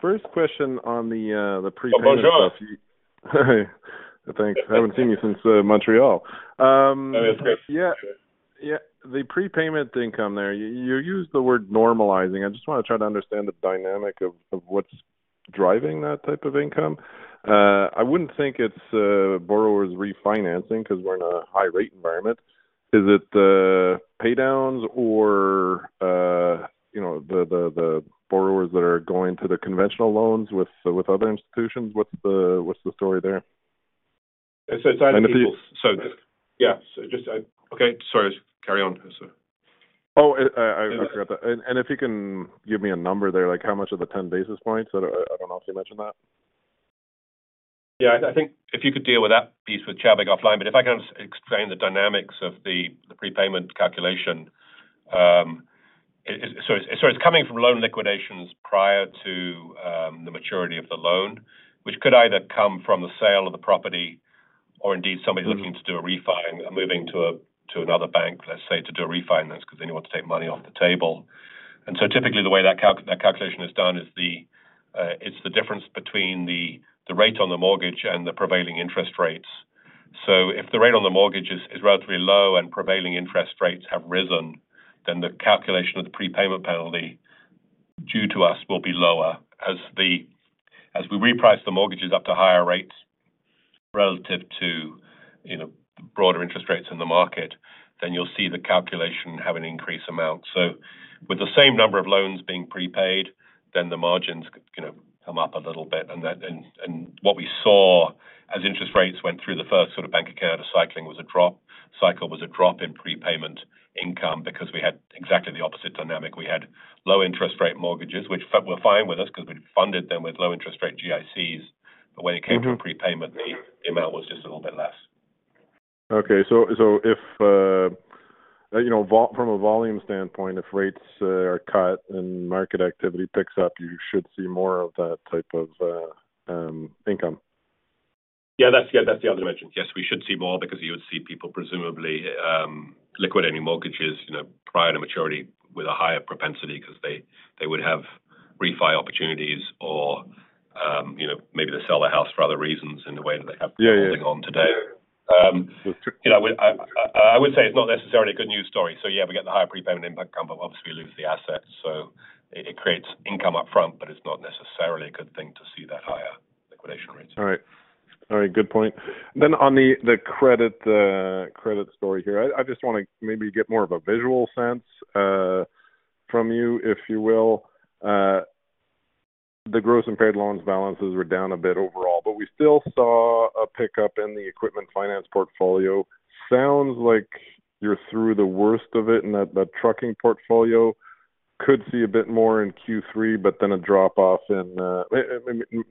First question on the prepayment. Bonjour! Thanks. I haven't seen you since Montreal. Oh, yeah. Yeah, yeah. The prepayment income there, you used the word normalizing. I just want to try to understand the dynamic of what's driving that type of income. I wouldn't think it's borrowers refinancing because we're in a high rate environment. Is it the pay downs or, you know, the borrowers that are going to the conventional loans with other institutions? What's the story there? It's insightful. And if you. So, yeah. Okay, sorry, carry on, sir. Oh, I forgot that. And if you can give me a number there, like how much of the 10 basis points are? I don't know if you mentioned that. Yeah, I think if you could deal with that piece with Chadwick offline, but if I can explain the dynamics of the prepayment calculation. It's coming from loan liquidations prior to the maturity of the loan, which could either come from the sale of the property or indeed somebody. Mm-hmm. Looking to do a refi, moving to a, to another bank, let's say, to do a refinance, because they want to take money off the table. And so typically, the way that calculation is done is the difference between the rate on the mortgage and the prevailing interest rates. So if the rate on the mortgage is relatively low and prevailing interest rates have risen, then the calculation of the prepayment penalty due to us will be lower. As we reprice the mortgages up to higher rates relative to, you know, broader interest rates in the market, then you'll see the calculation have an increased amount. So with the same number of loans being prepaid, then the margins, you know, come up a little bit. And what we saw as interest rates went through the first sort of Bank of Canada cycle was a drop in prepayment income because we had exactly the opposite dynamic. We had low interest rate mortgages, which were fine with us because we funded them with low interest rate GICs. Mm-hmm. But when it came to a prepayment, the amount was just a little bit less. Okay, so if you know, from a volume standpoint, if rates are cut and market activity picks up, you should see more of that type of income? Yeah, that's the other dimension. Yes, we should see more because you would see people presumably liquidating mortgages, you know, prior to maturity with a higher propensity because they would have refi opportunities or, you know, maybe they sell their house for other reasons in the way that they have. Yeah, yeah. Holding on today. You know, I would say it's not necessarily a good news story. So yeah, we get the higher prepayment impact come, but obviously we lose the asset. So it creates income upfront, but it's not necessarily a good thing to see that higher liquidation rates. All right. All right, good point. Then on the credit story here, I just wanna maybe get more of a visual sense from you, if you will, the gross impaired loans balances were down a bit overall, but we still saw a pickup in the equipment finance portfolio. Sounds like you're through the worst of it, and that trucking portfolio could see a bit more in Q3, but then a drop off in,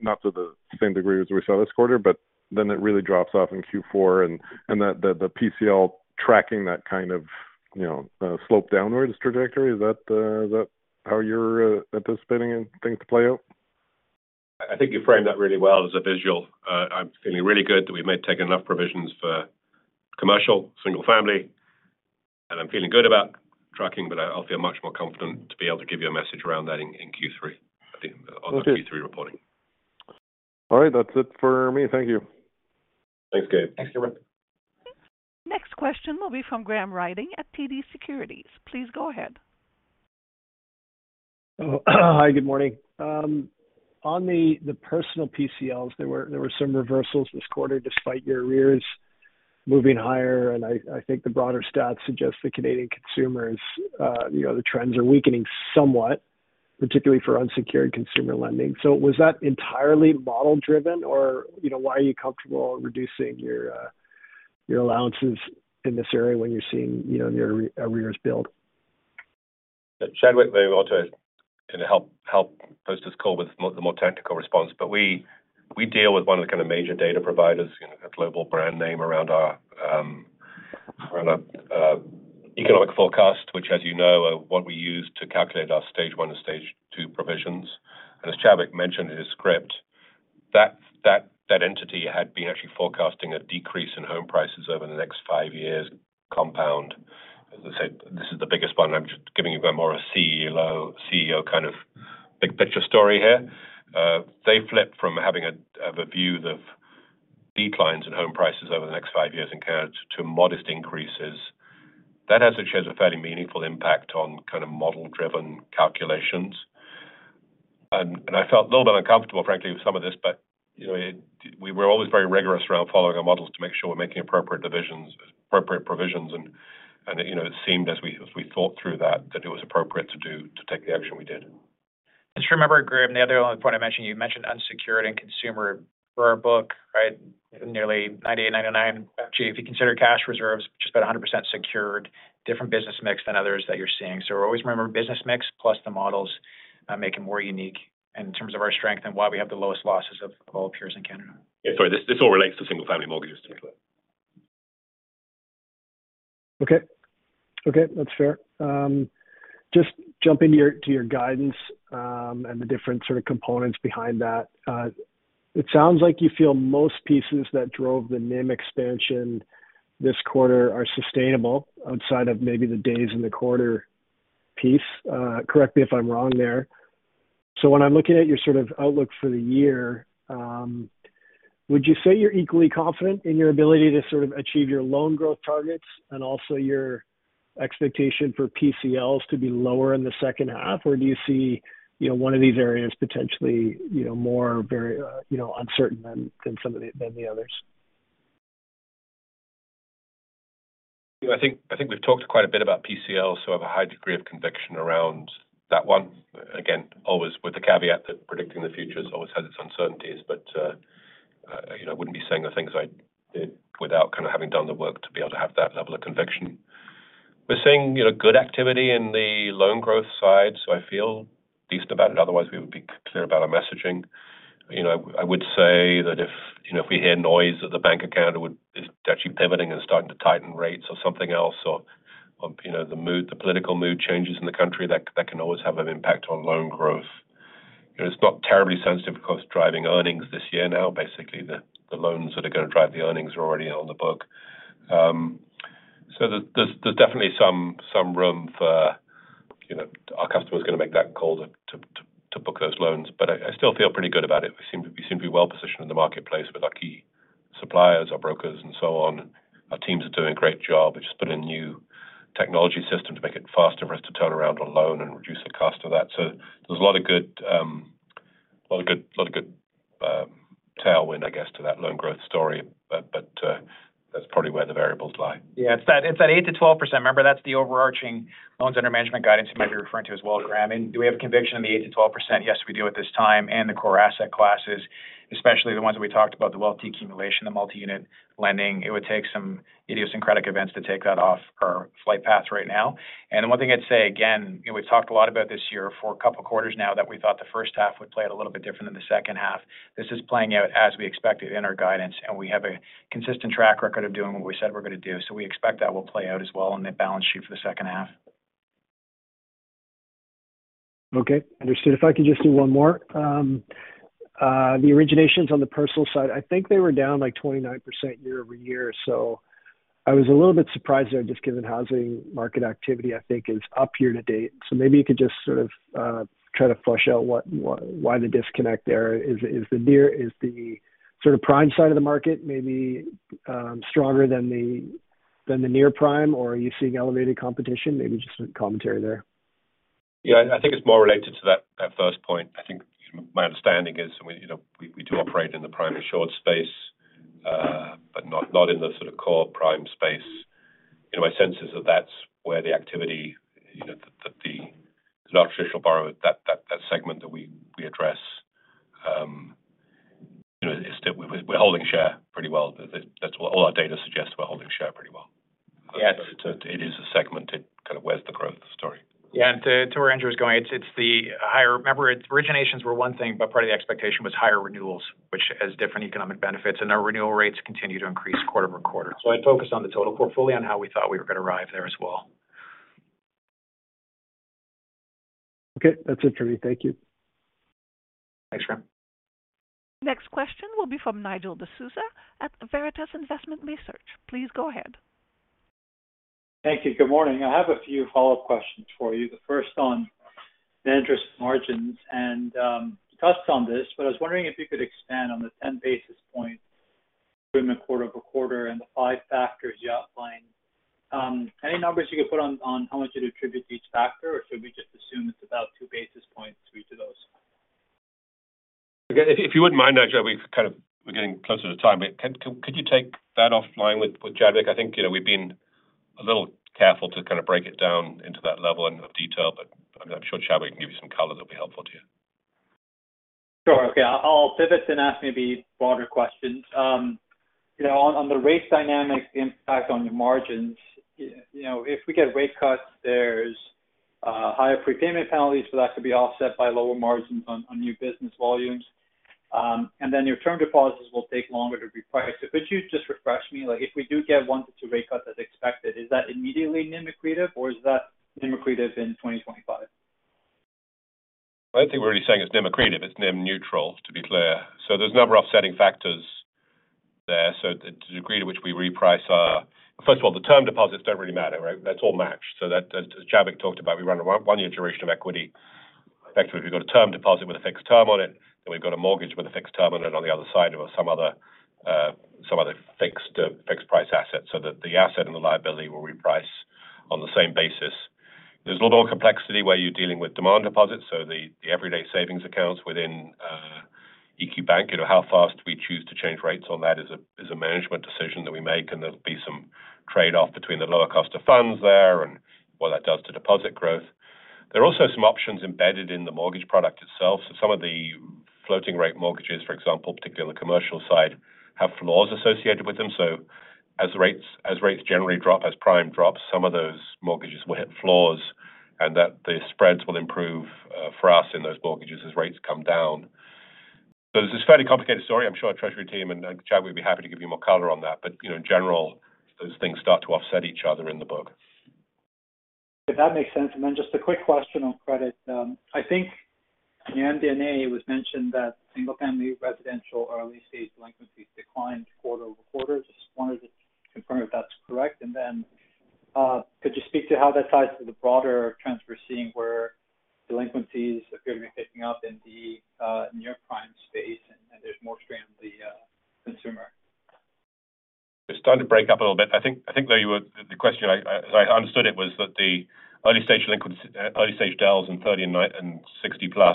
not to the same degree as we saw this quarter, but then it really drops off in Q4, and that, the PCL tracking that kind of, you know, slope downwards trajectory. Is that how you're anticipating things to play out? I think you framed that really well as a visual. I'm feeling really good that we may take enough provisions for commercial, single family, and I'm feeling good about trucking, but I'll feel much more confident to be able to give you a message around that in Q3, I think, on the Q3 reporting. All right. That's it for me. Thank you. Thanks, Gabe. Thanks, everyone. Next question will be from Graham Ryding at TD Securities. Please go ahead. Hi, good morning. On the personal PCLs, there were some reversals this quarter despite your arrears moving higher, and I think the broader stats suggest the Canadian consumers, you know, the trends are weakening somewhat, particularly for unsecured consumer lending. So was that entirely model driven, or, you know, why are you comfortable reducing your your allowances in this area when you're seeing, you know, your arrears build? Chadwick may want to kind of help post this call with the more technical response. But we deal with one of the kind of major data providers, you know, a global brand name around our economic forecast, which, as you know, are what we use to calculate our Stage 1 and Stage 2 provisions. And as Chadwick mentioned in his script, that entity had been actually forecasting a decrease in home prices over the next five years compound. As I said, this is the biggest one. I'm just giving you a more CEO kind of big picture story here. They flipped from having a view of declines in home prices over the next five years and count to modest increases. That, as it shows, a fairly meaningful impact on kind of model-driven calculations. I felt a little bit uncomfortable, frankly, with some of this, but, you know, it. We were always very rigorous around following our models to make sure we're making appropriate divisions, appropriate provisions, and, you know, it seemed as we thought through that, that it was appropriate to do, to take the action we did. Just remember, Graham, the other only point I mentioned, you mentioned unsecured and consumer for our book, right? Nearly 98, 99, actually, if you consider cash reserves, just about 100% secured, different business mix than others that you're seeing. So always remember business mix plus the models make it more unique in terms of our strength and why we have the lowest losses of all peers in Canada. Yeah, sorry, this all relates to single-family mortgages, particularly. Okay. Okay, that's fair. Just jumping to your guidance, and the different sort of components behind that, it sounds like you feel most pieces that drove the NIM expansion this quarter are sustainable outside of maybe the days in the quarter piece. Correct me if I'm wrong there. So when I'm looking at your sort of outlook for the year, would you say you're equally confident in your ability to sort of achieve your loan growth targets and also your expectation for PCLs to be lower in the second half? Or do you see, you know, one of these areas potentially, you know, more very, you know, uncertain than some of the others? I think, I think we've talked quite a bit about PCL, so I have a high degree of conviction around that one. Again, always with the caveat that predicting the future has always had its uncertainties, but, you know, I wouldn't be saying the things I did without kind of having done the work to be able to have that level of conviction. We're seeing, you know, good activity in the loan growth side, so I feel decent about it. Otherwise, we would be clear about our messaging. You know, I would say that if, you know, if we hear noise that the bank account would, is actually pivoting and starting to tighten rates or something else, or, or, you know, the mood, the political mood changes in the country, that can always have an impact on loan growth. You know, it's not terribly sensitive because driving earnings this year now, basically, the loans that are gonna drive the earnings are already on the book. So there's definitely some room for, you know, our customers gonna make that call to book those loans. But I still feel pretty good about it. We seem to be well positioned in the marketplace with our key suppliers, our brokers, and so on. Our teams are doing a great job. We've just put in a new technology system to make it faster for us to turn around on loan and reduce the cost of that. So there's a lot of good tailwind, I guess, to that loan growth story. But that's probably where the variables lie. Yeah, it's that, it's that 8%-12%. Remember, that's the overarching loans under management guidance you might be referring to as well, Graham. And do we have a conviction in the 8%-12%? Yes, we do at this time. And the core asset classes, especially the ones we talked about, the wealth accumulation, the multi-unit lending, it would take some idiosyncratic events to take that off our flight path right now. And one thing I'd say again, you know, we've talked a lot about this year for a couple of quarters now, that we thought the first half would play out a little bit different than the second half. This is playing out as we expected in our guidance, and we have a consistent track record of doing what we said we're gonna do. So we expect that will play out as well on the balance sheet for the second half. Okay, understood. If I could just do one more. The originations on the personal side, I think they were down, like, 29% year-over-year, so I was a little bit surprised there, just given housing market activity, I think, is up year to date. So maybe you could just sort of try to flesh out what, why the disconnect there. Is the near prime side of the market maybe stronger than the near prime, or are you seeing elevated competition? Maybe just some commentary there. Yeah, I think it's more related to that first point. I think my understanding is, you know, we do operate in the prime insured space, not in the sort of core prime space. You know, my sense is that that's where the activity, you know, that the non-traditional borrower, that segment that we address, you know, is still we're holding share pretty well. That's what all our data suggests, we're holding share pretty well. Yes. It is a segment that kind of bears the growth story. Yeah, and to where Andrew is going, it's the higher. Remember, it's originations were one thing, but part of the expectation was higher renewals, which has different economic benefits, and our renewal rates continue to increase quarter-over-quarter. So I'd focus on the total portfolio and how we thought we were gonna arrive there as well. Okay. That's it for me. Thank you. Thanks, Graham. Next question will be from Nigel D'Souza at Veritas Investment Research. Please go ahead. Thank you. Good morning. I have a few follow-up questions for you. The first on the interest margins, and, you touched on this, but I was wondering if you could expand on the 10 basis points in the quarter-over-quarter and the five factors you outlined. Any numbers you could put on, on how much you'd attribute each factor, or should we just assume it's about 2 basis points, 3 to those? Again, if you wouldn't mind, Nigel, we kind of, we're getting closer to time, but could you take that offline with David? I think, you know, we've been a little careful to kind of break it down into that level of detail, but I'm sure David can give you some color that'll be helpful to you. Sure. Okay, I'll pivot and ask maybe broader questions. You know, on the rate dynamic impact on your margins, you know, if we get rate cuts, there's higher prepayment penalties, so that could be offset by lower margins on new business volumes. And then your term deposits will take longer to reprice. So could you just refresh me, like, if we do get 1-2 rate cuts as expected, is that immediately NIM accretive, or is that NIM accretive in 2025? I don't think we're really saying it's NIM accretive, it's NIM neutral, to be clear. There's a number of offsetting factors there. The degree to which we reprice our, first of all, the term deposits don't really matter, right? That's all matched. So that, as Chadwick talked about, we run a one-year duration of equity. Actually, if you've got a term deposit with a fixed term on it, then we've got a mortgage with a fixed term on it on the other side of some other fixed price asset, so that the asset and the liability will reprice on the same basis. There's a little more complexity where you're dealing with demand deposits, so the everyday savings accounts within EQ Bank, you know, how fast we choose to change rates on that is a management decision that we make, and there'll be some trade-off between the lower cost of funds there and what that does to deposit growth. There are also some options embedded in the mortgage product itself. So some of the floating rate mortgages, for example, particularly on the commercial side, have floors associated with them. So as rates generally drop, as prime drops, some of those mortgages will hit floors and the spreads will improve for us in those mortgages as rates come down. So there's this fairly complicated story. I'm sure our treasury team and, Chad, we'd be happy to give you more color on that, but, you know, in general, those things start to offset each other in the book. That makes sense. And then just a quick question on credit. I think in the MD&A, it was mentioned that single-family residential early stage delinquencies declined quarter-over-quarter. Just wanted to confirm if that's correct. And then, could you speak to how that ties to the broader trends we're seeing, where delinquencies appear to be picking up in the near prime space and there's more strain on the consumer? It's starting to break up a little bit. I think, I think though you were, the question I understood it was that the early stage delinquencies, early stage dels in 30 and 90 and 60+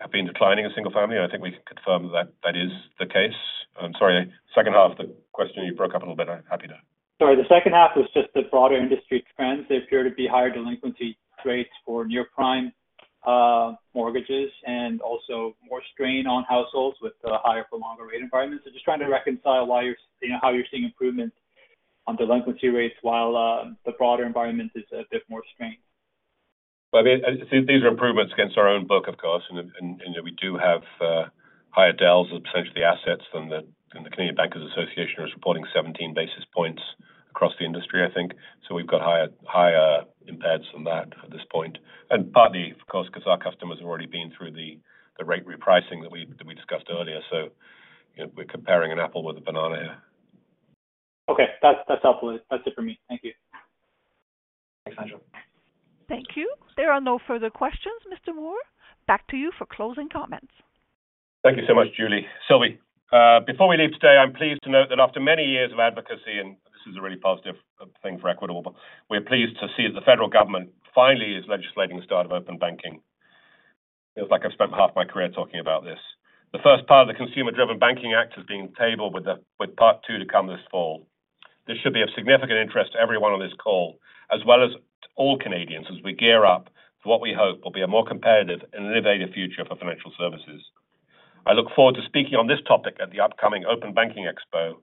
have been declining in single family. I think we can confirm that that is the case. I'm sorry, second half of the question, you broke up a little bit. I'm happy to. Sorry, the second half was just the broader industry trends. There appear to be higher delinquency rates for near prime mortgages and also more strain on households with the higher for longer rate environments. So just trying to reconcile why you're, you know, how you're seeing improvement on delinquency rates while the broader environment is a bit more strained. Well, I mean, these are improvements against our own book, of course, and we do have higher dels as a percentage of the assets than the, and the Canadian Bankers Association is reporting 17 basis points across the industry, I think. So we've got higher impairments than that at this point. And partly, of course, because our customers have already been through the rate repricing that we discussed earlier, so, you know, we're comparing an apple with a banana here. Okay. That's, that's helpful. That's it for me. Thank you. Thanks, Nigel. Thank you. There are no further questions, Mr. Moor. Back to you for closing comments. Thank you so much, Julie, Sylvie. Before we leave today, I'm pleased to note that after many years of advocacy, and this is a really positive thing for Equitable, we're pleased to see that the federal government finally is legislating the start of open banking. It feels like I've spent half my career talking about this. The first part of the Consumer-Driven Banking Act is being tabled with part two to come this fall. This should be of significant interest to everyone on this call, as well as all Canadians, as we gear up for what we hope will be a more competitive and innovative future for financial services. I look forward to speaking on this topic at the upcoming Open Banking Expo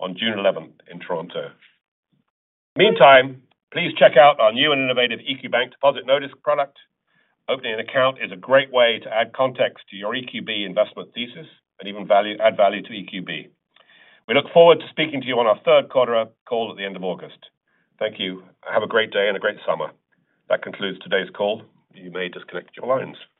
on June 11 in Toronto. Meantime, please check out our new and innovative EQ Bank deposit notice product. Opening an account is a great way to add context to your EQB investment thesis and even value add value to EQB. We look forward to speaking to you on our third quarter call at the end of August. Thank you. Have a great day and a great summer. That concludes today's call. You may disconnect your lines.